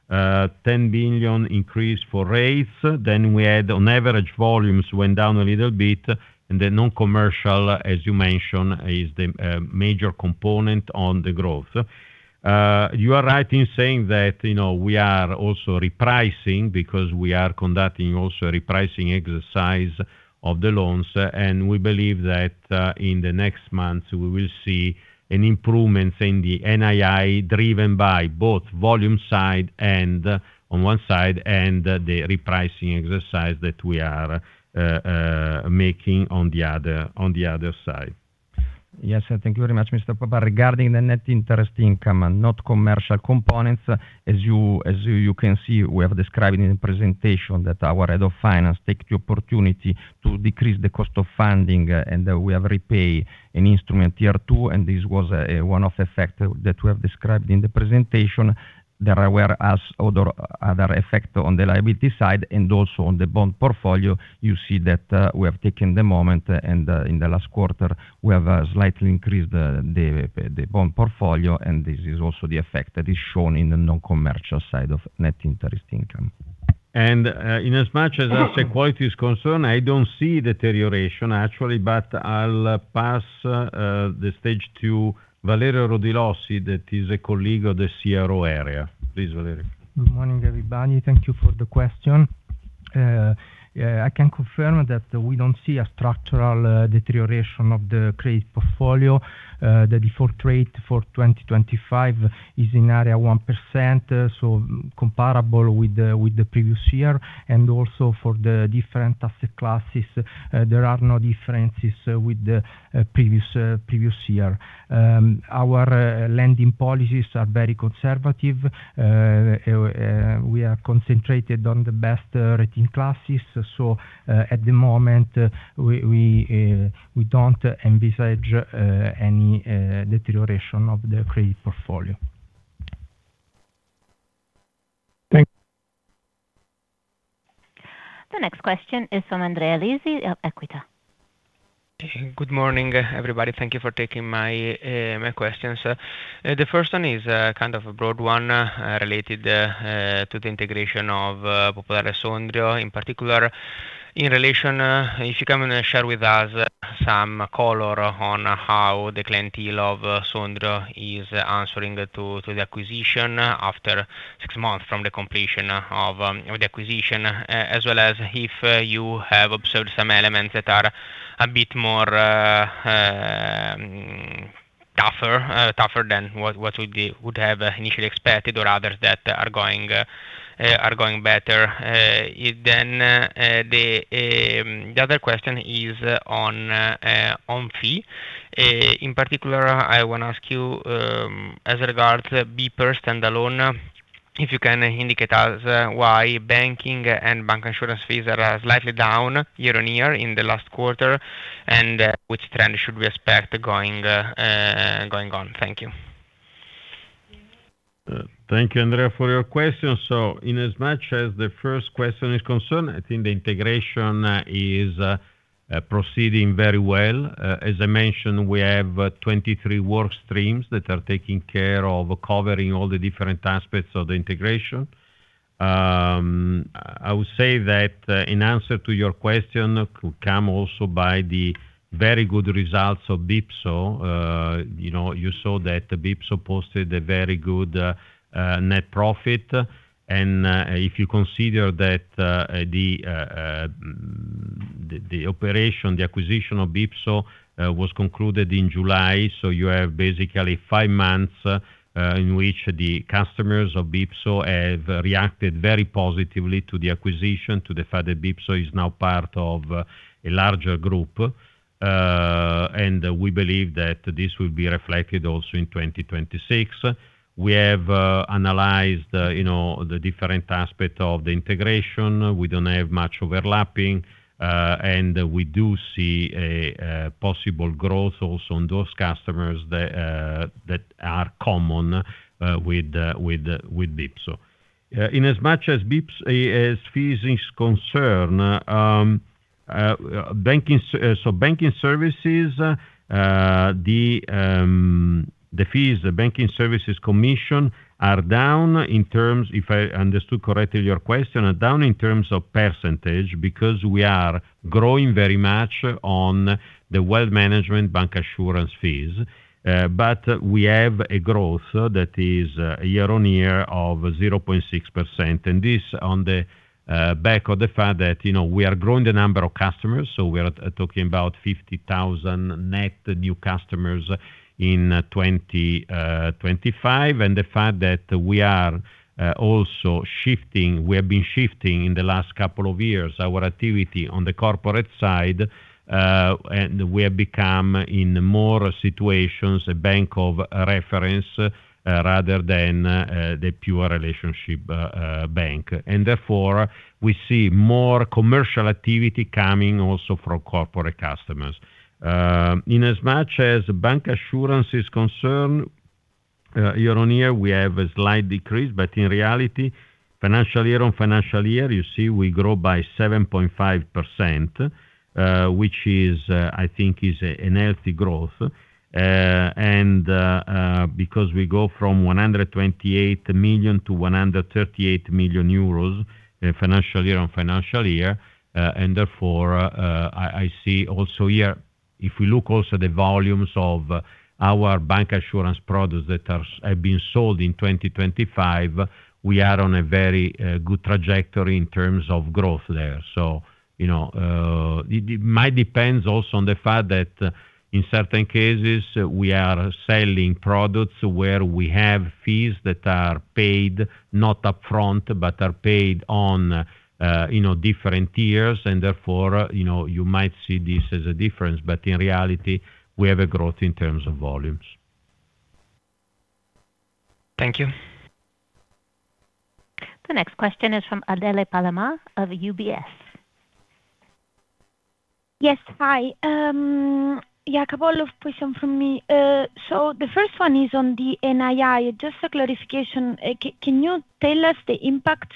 Speaker 3: 10 million increase for rates. Then we had on average volumes went down a little bit. And the non-commercial, as you mentioned, is the major component on the growth. You are right in saying that we are also repricing because we are conducting also a repricing exercise of the loans. And we believe that in the next months, we will see an improvement in the NII driven by both volume side on one side and the repricing exercise that we are making on the other side.
Speaker 7: Yes, sir. Thank you very much, Mr. Papa. Regarding the net interest income, non-commercial components, as you can see, we have described in the presentation that our head of finance takes the opportunity to decrease the cost of funding, and we have repaid an instrument year two. This was one of the effects that we have described in the presentation. There were other effects on the liability side. Also on the bond portfolio, you see that we have taken the moment. In the last quarter, we have slightly increased the bond portfolio. This is also the effect that is shown in the non-commercial side of net interest income. Inasmuch as asset quality is concerned, I don't see deterioration, actually. But I'll pass the stage to Valerio Rodilossi that is a colleague of the CRO area. Please, Valerio.
Speaker 9: Good morning, everybody. Thank you for the question. I can confirm that we don't see a structural deterioration of the credit portfolio. The default rate for 2025 is in area 1%, so comparable with the previous year. Also for the different asset classes, there are no differences with the previous year. Our lending policies are very conservative. We are concentrated on the best rating classes. So at the moment, we don't envisage any deterioration of the credit portfolio.
Speaker 5: Thank you.
Speaker 1: The next question is from Andrea Lisi of Equita.
Speaker 10: Good morning, everybody. Thank you for taking my questions. The first one is kind of a broad one related to the integration of Popolare Sondrio, in particular, in relation if you can share with us some color on how the clientele of Sondrio is answering to the acquisition after six months from the completion of the acquisition, as well as if you have observed some elements that are a bit more tougher than what we would have initially expected or others that are going better. Then the other question is on fee. In particular, I want to ask you as regards BPER standalone, if you can indicate us why banking and bank insurance fees are slightly down year-on-year in the last quarter, and which trend should we expect going on. Thank you.
Speaker 3: Thank you, Andrea, for your question. Inasmuch as the first question is concerned, I think the integration is proceeding very well. As I mentioned, we have 23 work streams that are taking care of covering all the different aspects of the integration. I would say that in answer to your question, it could come also by the very good results of BIPSO. You saw that BIPSO posted a very good net profit. If you consider that the operation, the acquisition of BIPSO, was concluded in July, so you have basically five months in which the customers of BIPSO have reacted very positively to the acquisition, to the fact that BIPSO is now part of a larger group. We believe that this will be reflected also in 2026. We have analyzed the different aspects of the integration. We don't have much overlapping. We do see possible growth also on those customers that are common with BIPSO. Inasmuch as fees are concerned, so banking services, the fees, the banking services commission are down in terms. If I understood correctly your question, they are down in terms of percentage because we are growing very much on the wealth management bank insurance fees. But we have a growth that is year-on-year of 0.6%. And this on the back of the fact that we are growing the number of customers. So we are talking about 50,000 net new customers in 2025. And the fact that we are also shifting; we have been shifting in the last couple of years our activity on the corporate side. And we have become, in more situations, a bank of reference rather than the pure relationship bank. And therefore, we see more commercial activity coming also from corporate customers. In as much as bank insurance is concerned, year on year, we have a slight decrease. But in reality, financial year on financial year, you see we grow by 7.5%, which I think is a healthy growth. And because we go from 128 million-138 million euros financial year on financial year. And therefore, I see also here if we look also at the volumes of our bank insurance products that have been sold in 2025, we are on a very good trajectory in terms of growth there. So it might depend also on the fact that in certain cases, we are selling products where we have fees that are paid not upfront but are paid on different tiers. And therefore, you might see this as a difference. But in reality, we have a growth in terms of volumes.
Speaker 10: Thank you.
Speaker 1: The next question is from Adele Palamà of UBS.
Speaker 11: Yes. Hi. Yeah, a couple of questions from me. So the first one is on the NII. Just a clarification. Can you tell us the impact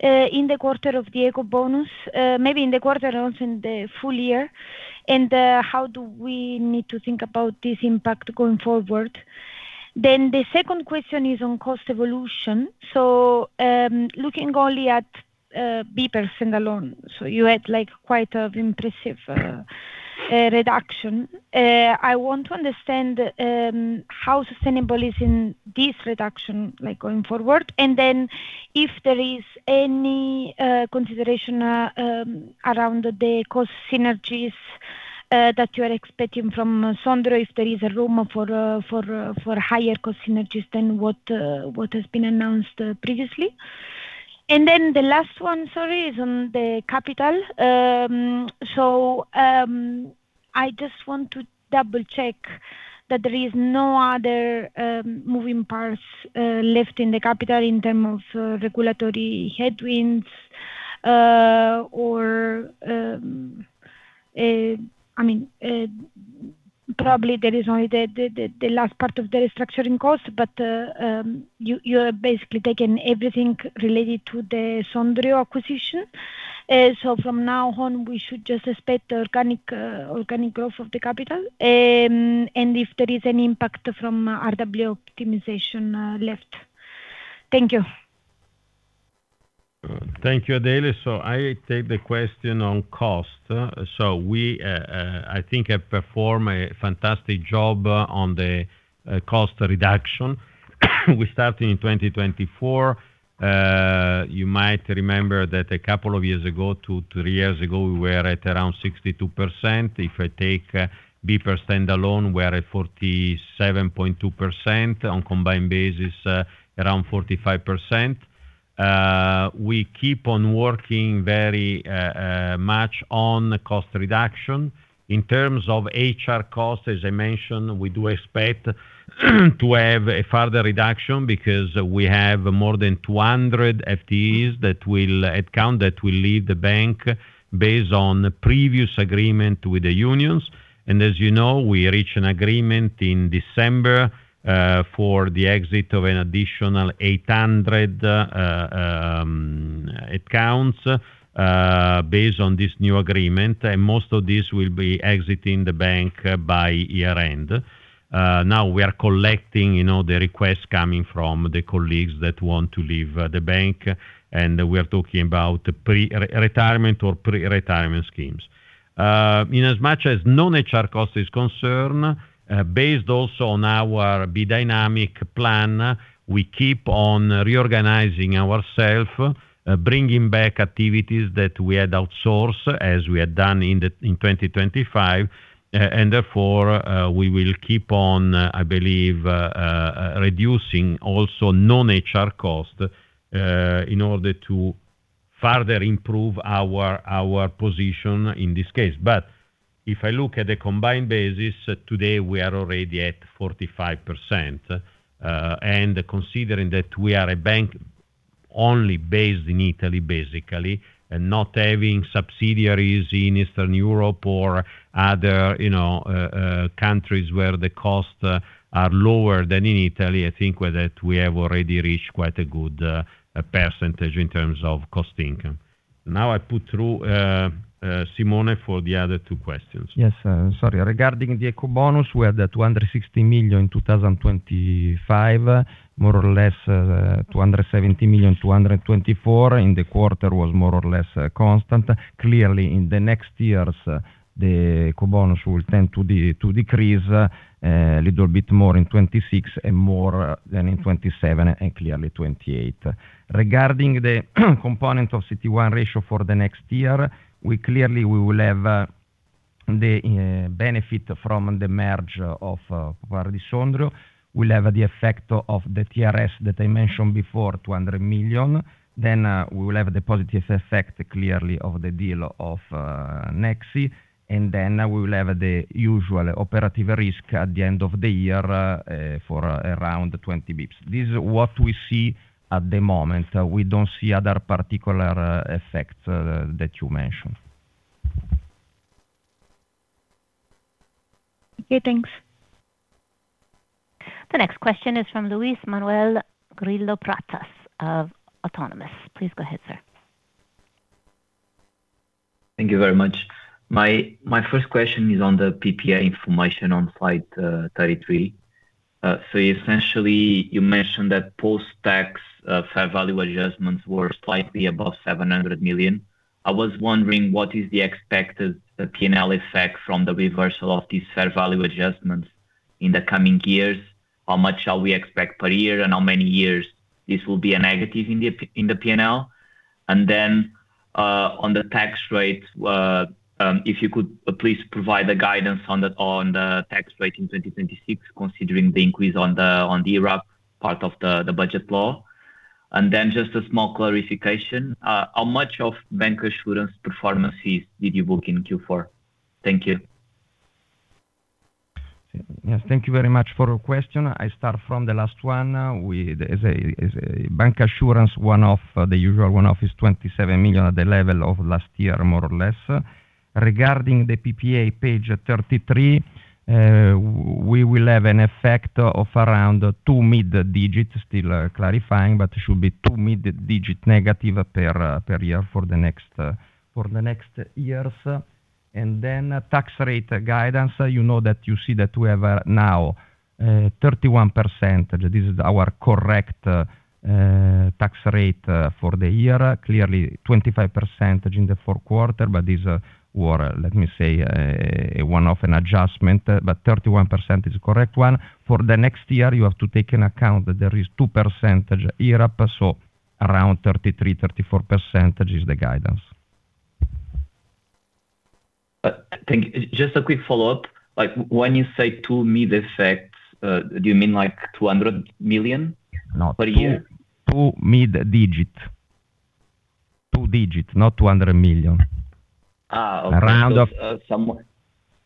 Speaker 11: in the quarter of Ecobonus, maybe in the quarter and also in the full year? And how do we need to think about this impact going forward? Then the second question is on cost evolution. So looking only at BPER standalone, so you had quite an impressive reduction. I want to understand how sustainable is this reduction going forward? And then if there is any consideration around the cost synergies that you are expecting from Sondrio, if there is a room for higher cost synergies than what has been announced previously? And then the last one, sorry, is on the capital. So I just want to double-check that there is no other moving parts left in the capital in terms of regulatory headwinds. I mean, probably there is only the last part of the restructuring cost. But you have basically taken everything related to the Sondrio acquisition. So from now on, we should just expect organic growth of the capital. And if there is any impact from RWA optimization left. Thank you.
Speaker 3: Thank you, Adele. So I take the question on cost. So we, I think, have performed a fantastic job on the cost reduction. We started in 2024. You might remember that a couple of years ago, three years ago, we were at around 62%. If I take BPER standalone, we are at 47.2%. On combined basis, around 45%. We keep on working very much on cost reduction. In terms of HR cost, as I mentioned, we do expect to have a further reduction because we have more than 200 FTEs that will add count that will leave the bank based on previous agreement with the unions. As you know, we reached an agreement in December for the exit of an additional 800 accounts based on this new agreement. Most of these will be exiting the bank by year-end. Now, we are collecting the requests coming from the colleagues that want to leave the bank. We are talking about retirement or pre-retirement schemes. Inasmuch as non-HR cost is concerned, based also on our B-Dynamic plan, we keep on reorganizing ourselves, bringing back activities that we had outsourced as we had done in 2025. And therefore, we will keep on, I believe, reducing also non-HR cost in order to further improve our position in this case. But if I look at the combined basis, today, we are already at 45%. And considering that we are a bank only based in Italy, basically, and not having subsidiaries in Eastern Europe or other countries where the costs are lower than in Italy, I think that we have already reached quite a good percentage in terms of cost income. Now, I put through Simone for the other two questions.
Speaker 7: Yes, sir. Sorry. Regarding Ecobonus, we had 260 million in 2025, more or less 270 million in 2024. In the quarter, it was more or less constant. Clearly, in the next years, the Ecobonus will tend to decrease a little bit more in 2026 and more than in 2027 and clearly 2028. Regarding the component of CET1 ratio for the next year, clearly, we will have the benefit from the merger of Popolare di Sondrio. We'll have the effect of the TRS that I mentioned before, 200 million. Then we will have the positive effect, clearly, of the deal of Nexi. And then we will have the usual operational risk at the end of the year for around 20 bps. This is what we see at the moment. We don't see other particular effects that you mentioned.
Speaker 11: Okay. Thanks.
Speaker 1: The next question is from Luis Manuel Grillo Pratas of Autonomous Research.
Speaker 12: Please go ahead, sir. Thank you very much. My first question is on the PPA information on acquired Carige. So essentially, you mentioned that post-tax fair value adjustments were slightly above 700 million. I was wondering, what is the expected P&L effect from the reversal of these fair value adjustments in the coming years? How much shall we expect per year, and how many years this will be a negative in the P&L? And then on the tax rate, if you could please provide the guidance on the tax rate in 2026 considering the increase on the IRA part of the budget law. And then just a small clarification. How much of bank insurance performances did you book in Q4? Thank you.
Speaker 7: Yes. Thank you very much for your question. I start from the last one. As I say, bank insurance, the usual one-off is 27 million at the level of last year, more or less. Regarding the PPA page 33, we will have an effect of around two mid-digits, still clarifying, but it should be two mid-digit negative per year for the next years. Then tax rate guidance, you know that you see that we have now 31%. This is our correct tax rate for the year. Clearly, 25% in the fourth quarter, but these were, let me say, one-off an adjustment. But 31% is the correct one. For the next year, you have to take in account that there is 2% IRAP. So around 33%-34% is the guidance.
Speaker 12: Just a quick follow-up. When you say two mid-effects, do you mean 200 million per year?
Speaker 7: No. Two mid-digit. Two digit, not 200 million.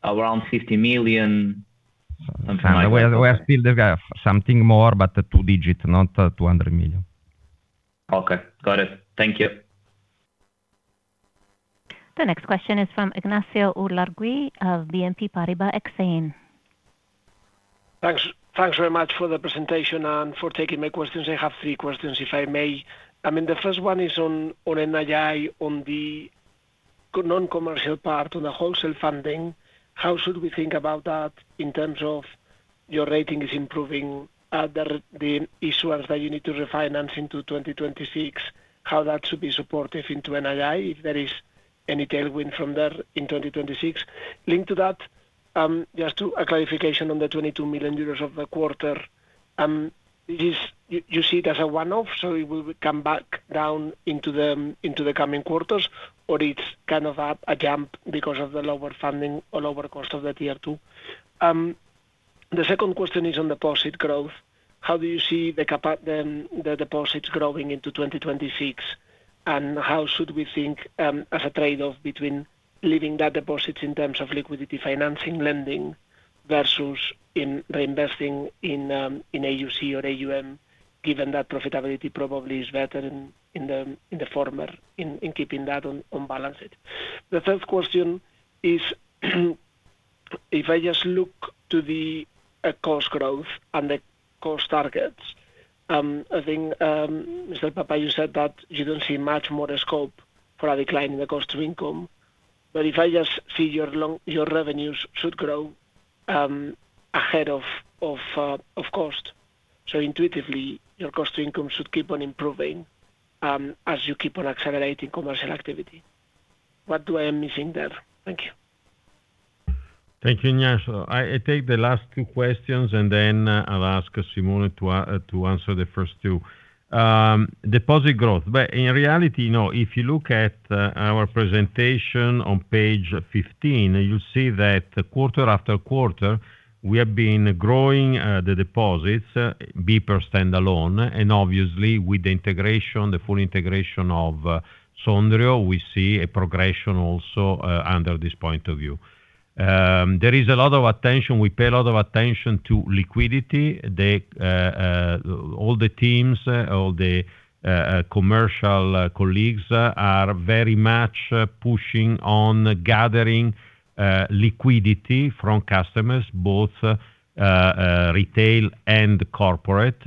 Speaker 12: Around 50 million,
Speaker 7: something like that. We are still something more, but two digit, not 200 million.
Speaker 12: Okay. Got it. Thank you.
Speaker 1: The next question is from Ignacio Ulargui of BNP Paribas Exane. Thanks very much for the presentation and for taking my questions. I have three questions, if I may. I mean, the first one is on NII, on the non-commercial part, on the wholesale funding. How should we think about that in terms of your rating is improving the issuance that you need to refinance into 2026? How that should be supportive into NII if there is any tailwind from there in 2026? Linked to that, just a clarification on the 22 million euros of the quarter. You see it as a one-off, so it will come back down into the coming quarters, or it's kind of a jump because of the lower funding or lower cost of the Tier 2? The second question is on deposit growth. How do you see the deposits growing into 2026? And how should we think as a trade-off between leaving that deposit in terms of liquidity financing, lending, versus reinvesting in AUC or AUM, given that profitability probably is better in the former in keeping that on balance sheet? The third question is, if I just look to the cost growth and the cost targets, I think, Mr. Papa, you said that you don't see much more scope for a decline in the cost to income. But if I just see your revenues should grow ahead of cost. So intuitively, your cost to income should keep on improving as you keep on accelerating commercial activity. What do I am missing there? Thank you.
Speaker 3: Thank you, Ignacio. I take the last two questions, and then I'll ask Simone to answer the first two. Deposit growth. But in reality, no. If you look at our presentation on page 15, you'll see that quarter after quarter, we have been growing the deposits, BPER standalone. Obviously, with the integration, the full integration of Sondrio, we see a progression also under this point of view. There is a lot of attention. We pay a lot of attention to liquidity. All the teams, all the commercial colleagues are very much pushing on gathering liquidity from customers, both retail and corporate.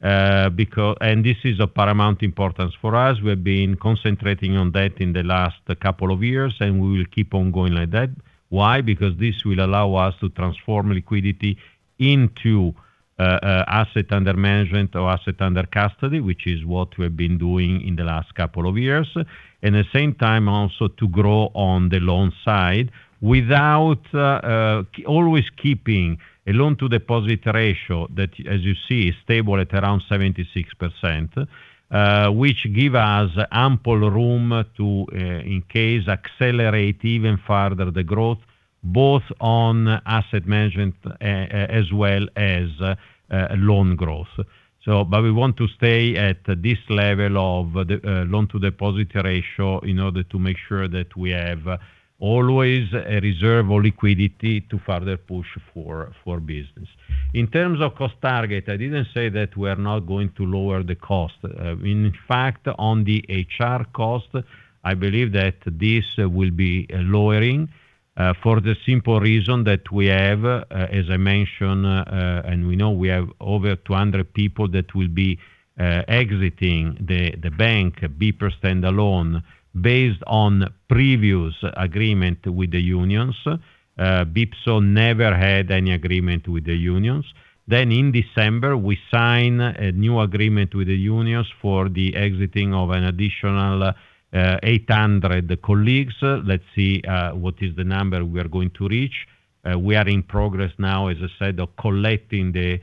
Speaker 3: And this is of paramount importance for us. We have been concentrating on that in the last couple of years, and we will keep on going like that. Why? Because this will allow us to transform liquidity into asset under management or asset under custody, which is what we have been doing in the last couple of years. At the same time, also to grow on the loan side without always keeping a loan-to-deposit ratio that, as you see, is stable at around 76%, which gives us ample room to, in case, accelerate even further the growth, both on asset management as well as loan growth. But we want to stay at this level of loan-to-deposit ratio in order to make sure that we have always a reserve or liquidity to further push for business. In terms of cost target, I didn't say that we are not going to lower the cost. In fact, on the HR cost, I believe that this will be lowering for the simple reason that we have, as I mentioned, and we know we have over 200 people that will be exiting the bank, BPER standalone, based on previous agreement with the unions. BIPSO never had any agreement with the unions. Then in December, we signed a new agreement with the unions for the exiting of an additional 800 colleagues. Let's see what is the number we are going to reach. We are in progress now, as I said, of collecting the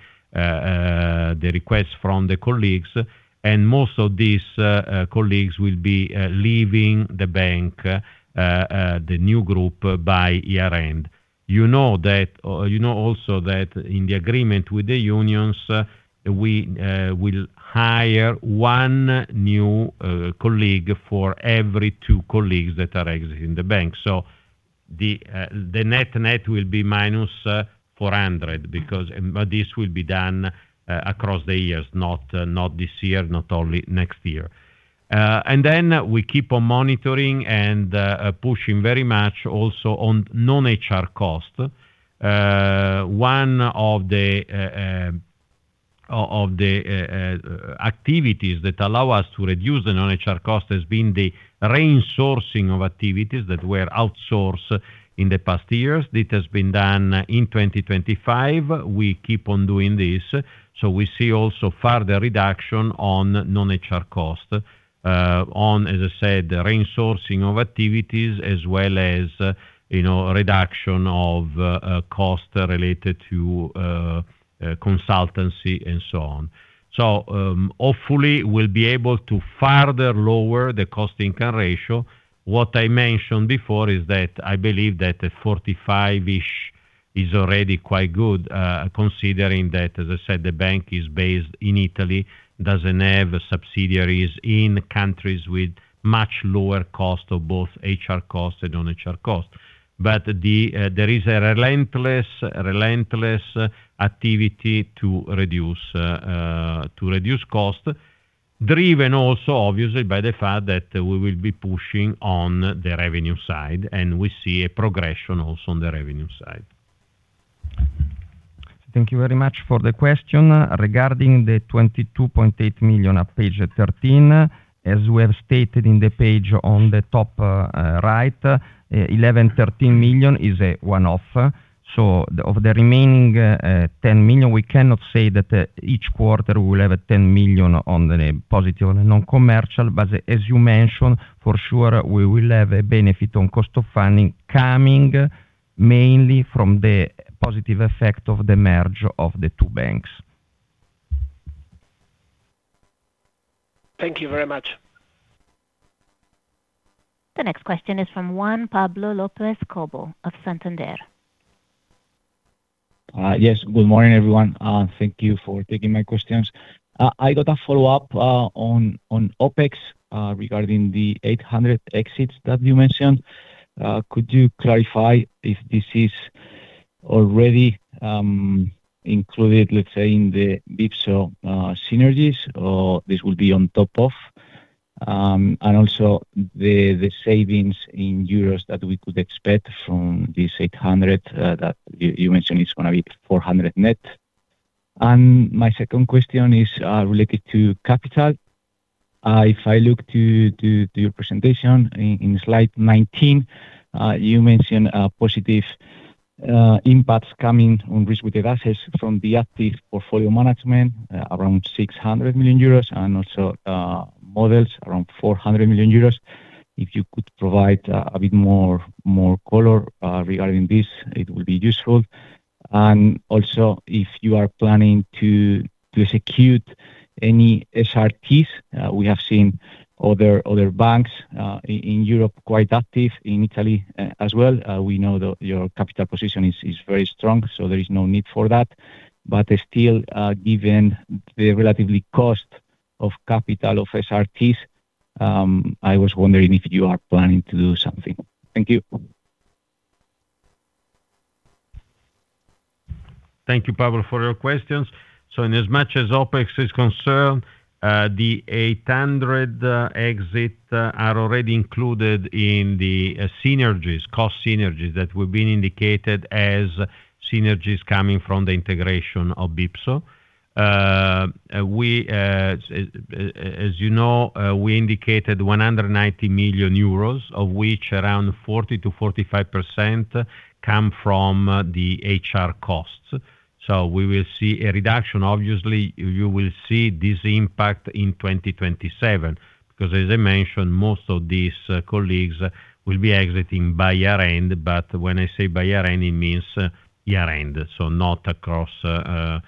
Speaker 3: requests from the colleagues. And most of these colleagues will be leaving the bank, the new group, by year-end. You know also that in the agreement with the unions, we will hire one new colleague for every two colleagues that are exiting the bank. So the net-net will be minus 400, but this will be done across the years, not this year, not only next year. And then we keep on monitoring and pushing very much also on non-HR cost. One of the activities that allow us to reduce the non-HR cost has been the rein-sourcing of activities that were outsourced in the past years. This has been done in 2025. We keep on doing this. So we see also further reduction on non-HR cost, on, as I said, rein-sourcing of activities as well as reduction of costs related to consultancy and so on. So hopefully, we'll be able to further lower the cost-to-income ratio. What I mentioned before is that I believe that a 45-ish is already quite good considering that, as I said, the bank is based in Italy, doesn't have subsidiaries in countries with much lower cost of both HR cost and non-HR cost. But there is a relentless activity to reduce cost, driven also, obviously, by the fact that we will be pushing on the revenue side. And we see a progression also on the revenue side.
Speaker 7: Thank you very much for the question. Regarding the 22.8 million at page 13, as we have stated in the page on the top right, 11.13 million is a one-off. So of the remaining 10 million, we cannot say that each quarter we will have 10 million on the positive on the non-commercial. But as you mentioned, for sure, we will have a benefit on cost of funding coming mainly from the positive effect of the merge of the two banks.
Speaker 13: Thank you very much.
Speaker 1: The next question is from Juan Pablo López Cobo of Santander.
Speaker 14: Yes. Good morning, everyone. Thank you for taking my questions. I got a follow-up on OpEx regarding the 800 exits that you mentioned. Could you clarify if this is already included, let's say, in the BIPSO synergies, or this will be on top of? Also, the savings in euros that we could expect from these 800 that you mentioned is going to be 400 net. My second question is related to capital. If I look to your presentation, in slide 19, you mentioned positive impacts coming on risk-weighted assets from the active portfolio management, around 600 million euros, and also models around 400 million euros. If you could provide a bit more color regarding this, it will be useful. Also, if you are planning to execute any SRTs, we have seen other banks in Europe quite active, in Italy as well. We know that your capital position is very strong, so there is no need for that. But still, given the relatively cost of capital of SRTs, I was wondering if you are planning to do something. Thank you.
Speaker 3: Thank you, Pablo, for your questions. So in as much as OpEx is concerned, the 800 exit are already included in the cost synergies that have been indicated as synergies coming from the integration of BIPSO. As you know, we indicated 190 million euros, of which around 40%-45% come from the HR costs. So we will see a reduction. Obviously, you will see this impact in 2027 because, as I mentioned, most of these colleagues will be exiting by year-end. But when I say by year-end, it means year-end, so not across the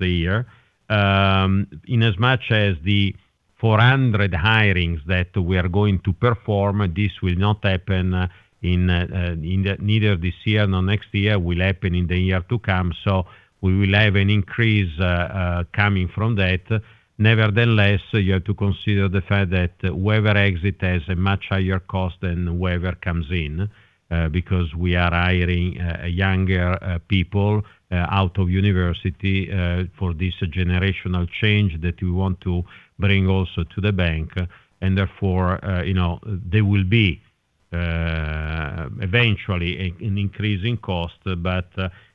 Speaker 3: year. In as much as the 400 hirings that we are going to perform, this will not happen neither this year nor next year. It will happen in the year to come. So we will have an increase coming from that. Nevertheless, you have to consider the fact that whoever exits has a much higher cost than whoever comes in because we are hiring younger people out of university for this generational change that we want to bring also to the bank. Therefore, there will be eventually an increase in cost, but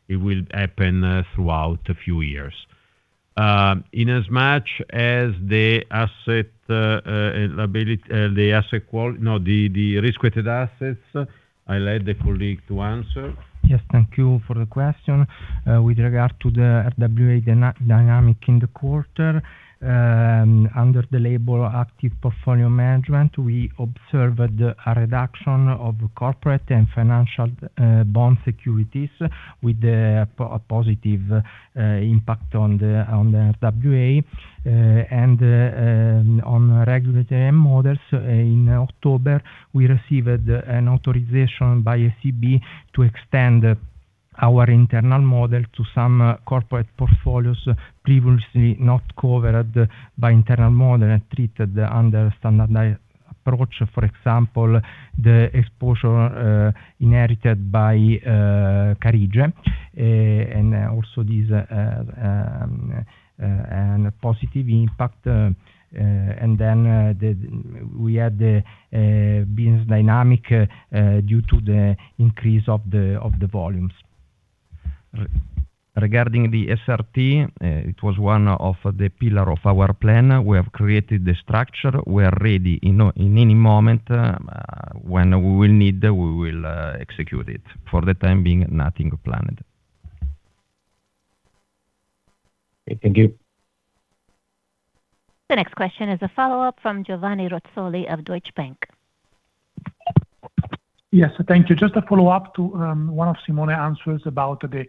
Speaker 3: it will happen throughout a few years. In as much as the asset quality, no, the risk-weighted assets, I'll let the colleague to answer.
Speaker 9: Yes. Thank you for the question. With regard to the RWA dynamic in the quarter, under the label active portfolio management, we observed a reduction of corporate and financial bond securities with a positive impact on the RWA and on regulatory models. In October, we received an authorization by ECB to extend our internal model to some corporate portfolios previously not covered by internal model and treated under standardized approach, for example, the exposure inherited by Carige. This is also a positive impact. We then had the B-Dynamic due to the increase of the volumes.
Speaker 7: Regarding the SRT, it was one of the pillars of our plan. We have created the structure. We are ready in any moment. When we will need it, we will execute it. For the time being, nothing planned.
Speaker 14: Okay. Thank you.
Speaker 1: The next question is a follow-up from Giovanni Razzoli of Deutsche Bank.
Speaker 5: Yes. Thank you. Just a follow-up to one of Simone's answers about the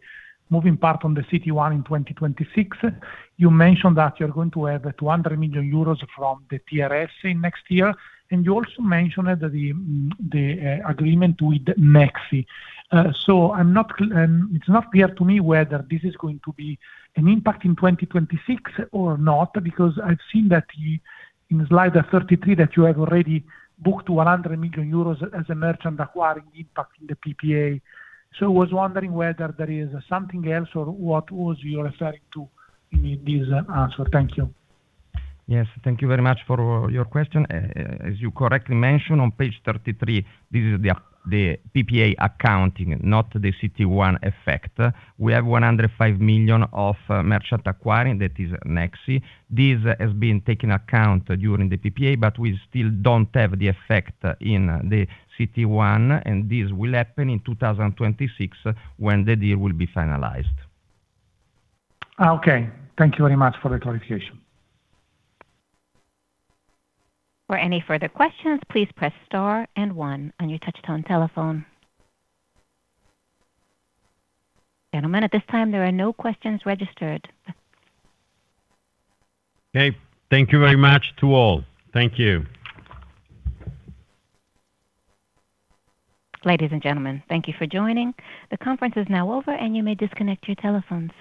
Speaker 5: moving part on the CET1 in 2026. You mentioned that you're going to have 200 million euros from the TRS in next year.
Speaker 3: You also mentioned the agreement with Nexi. It's not clear to me whether this is going to be an impact in 2026 or not because I've seen that in slide 33 that you have already booked 100 million euros as a merchant acquiring impact in the PPA. I was wondering whether there is something else or what was you referring to in this answer. Thank you.
Speaker 7: Yes. Thank you very much for your question. As you correctly mentioned, on page 33, this is the PPA accounting, not the CET1 effect. We have 105 million of merchant acquiring. That is Nexi. This has been taken account during the PPA, but we still don't have the effect in the CET1. This will happen in 2026 when the deal will be finalized.
Speaker 5: Okay. Thank you very much for the clarification.
Speaker 1: For any further questions, please press star and one on your touch-tone telephone. Gentlemen, at this time, there are no questions registered.
Speaker 3: Okay. Thank you very much to all. Thank you.
Speaker 1: Ladies and gentlemen, thank you for joining. The conference is now over, and you may disconnect your telephones.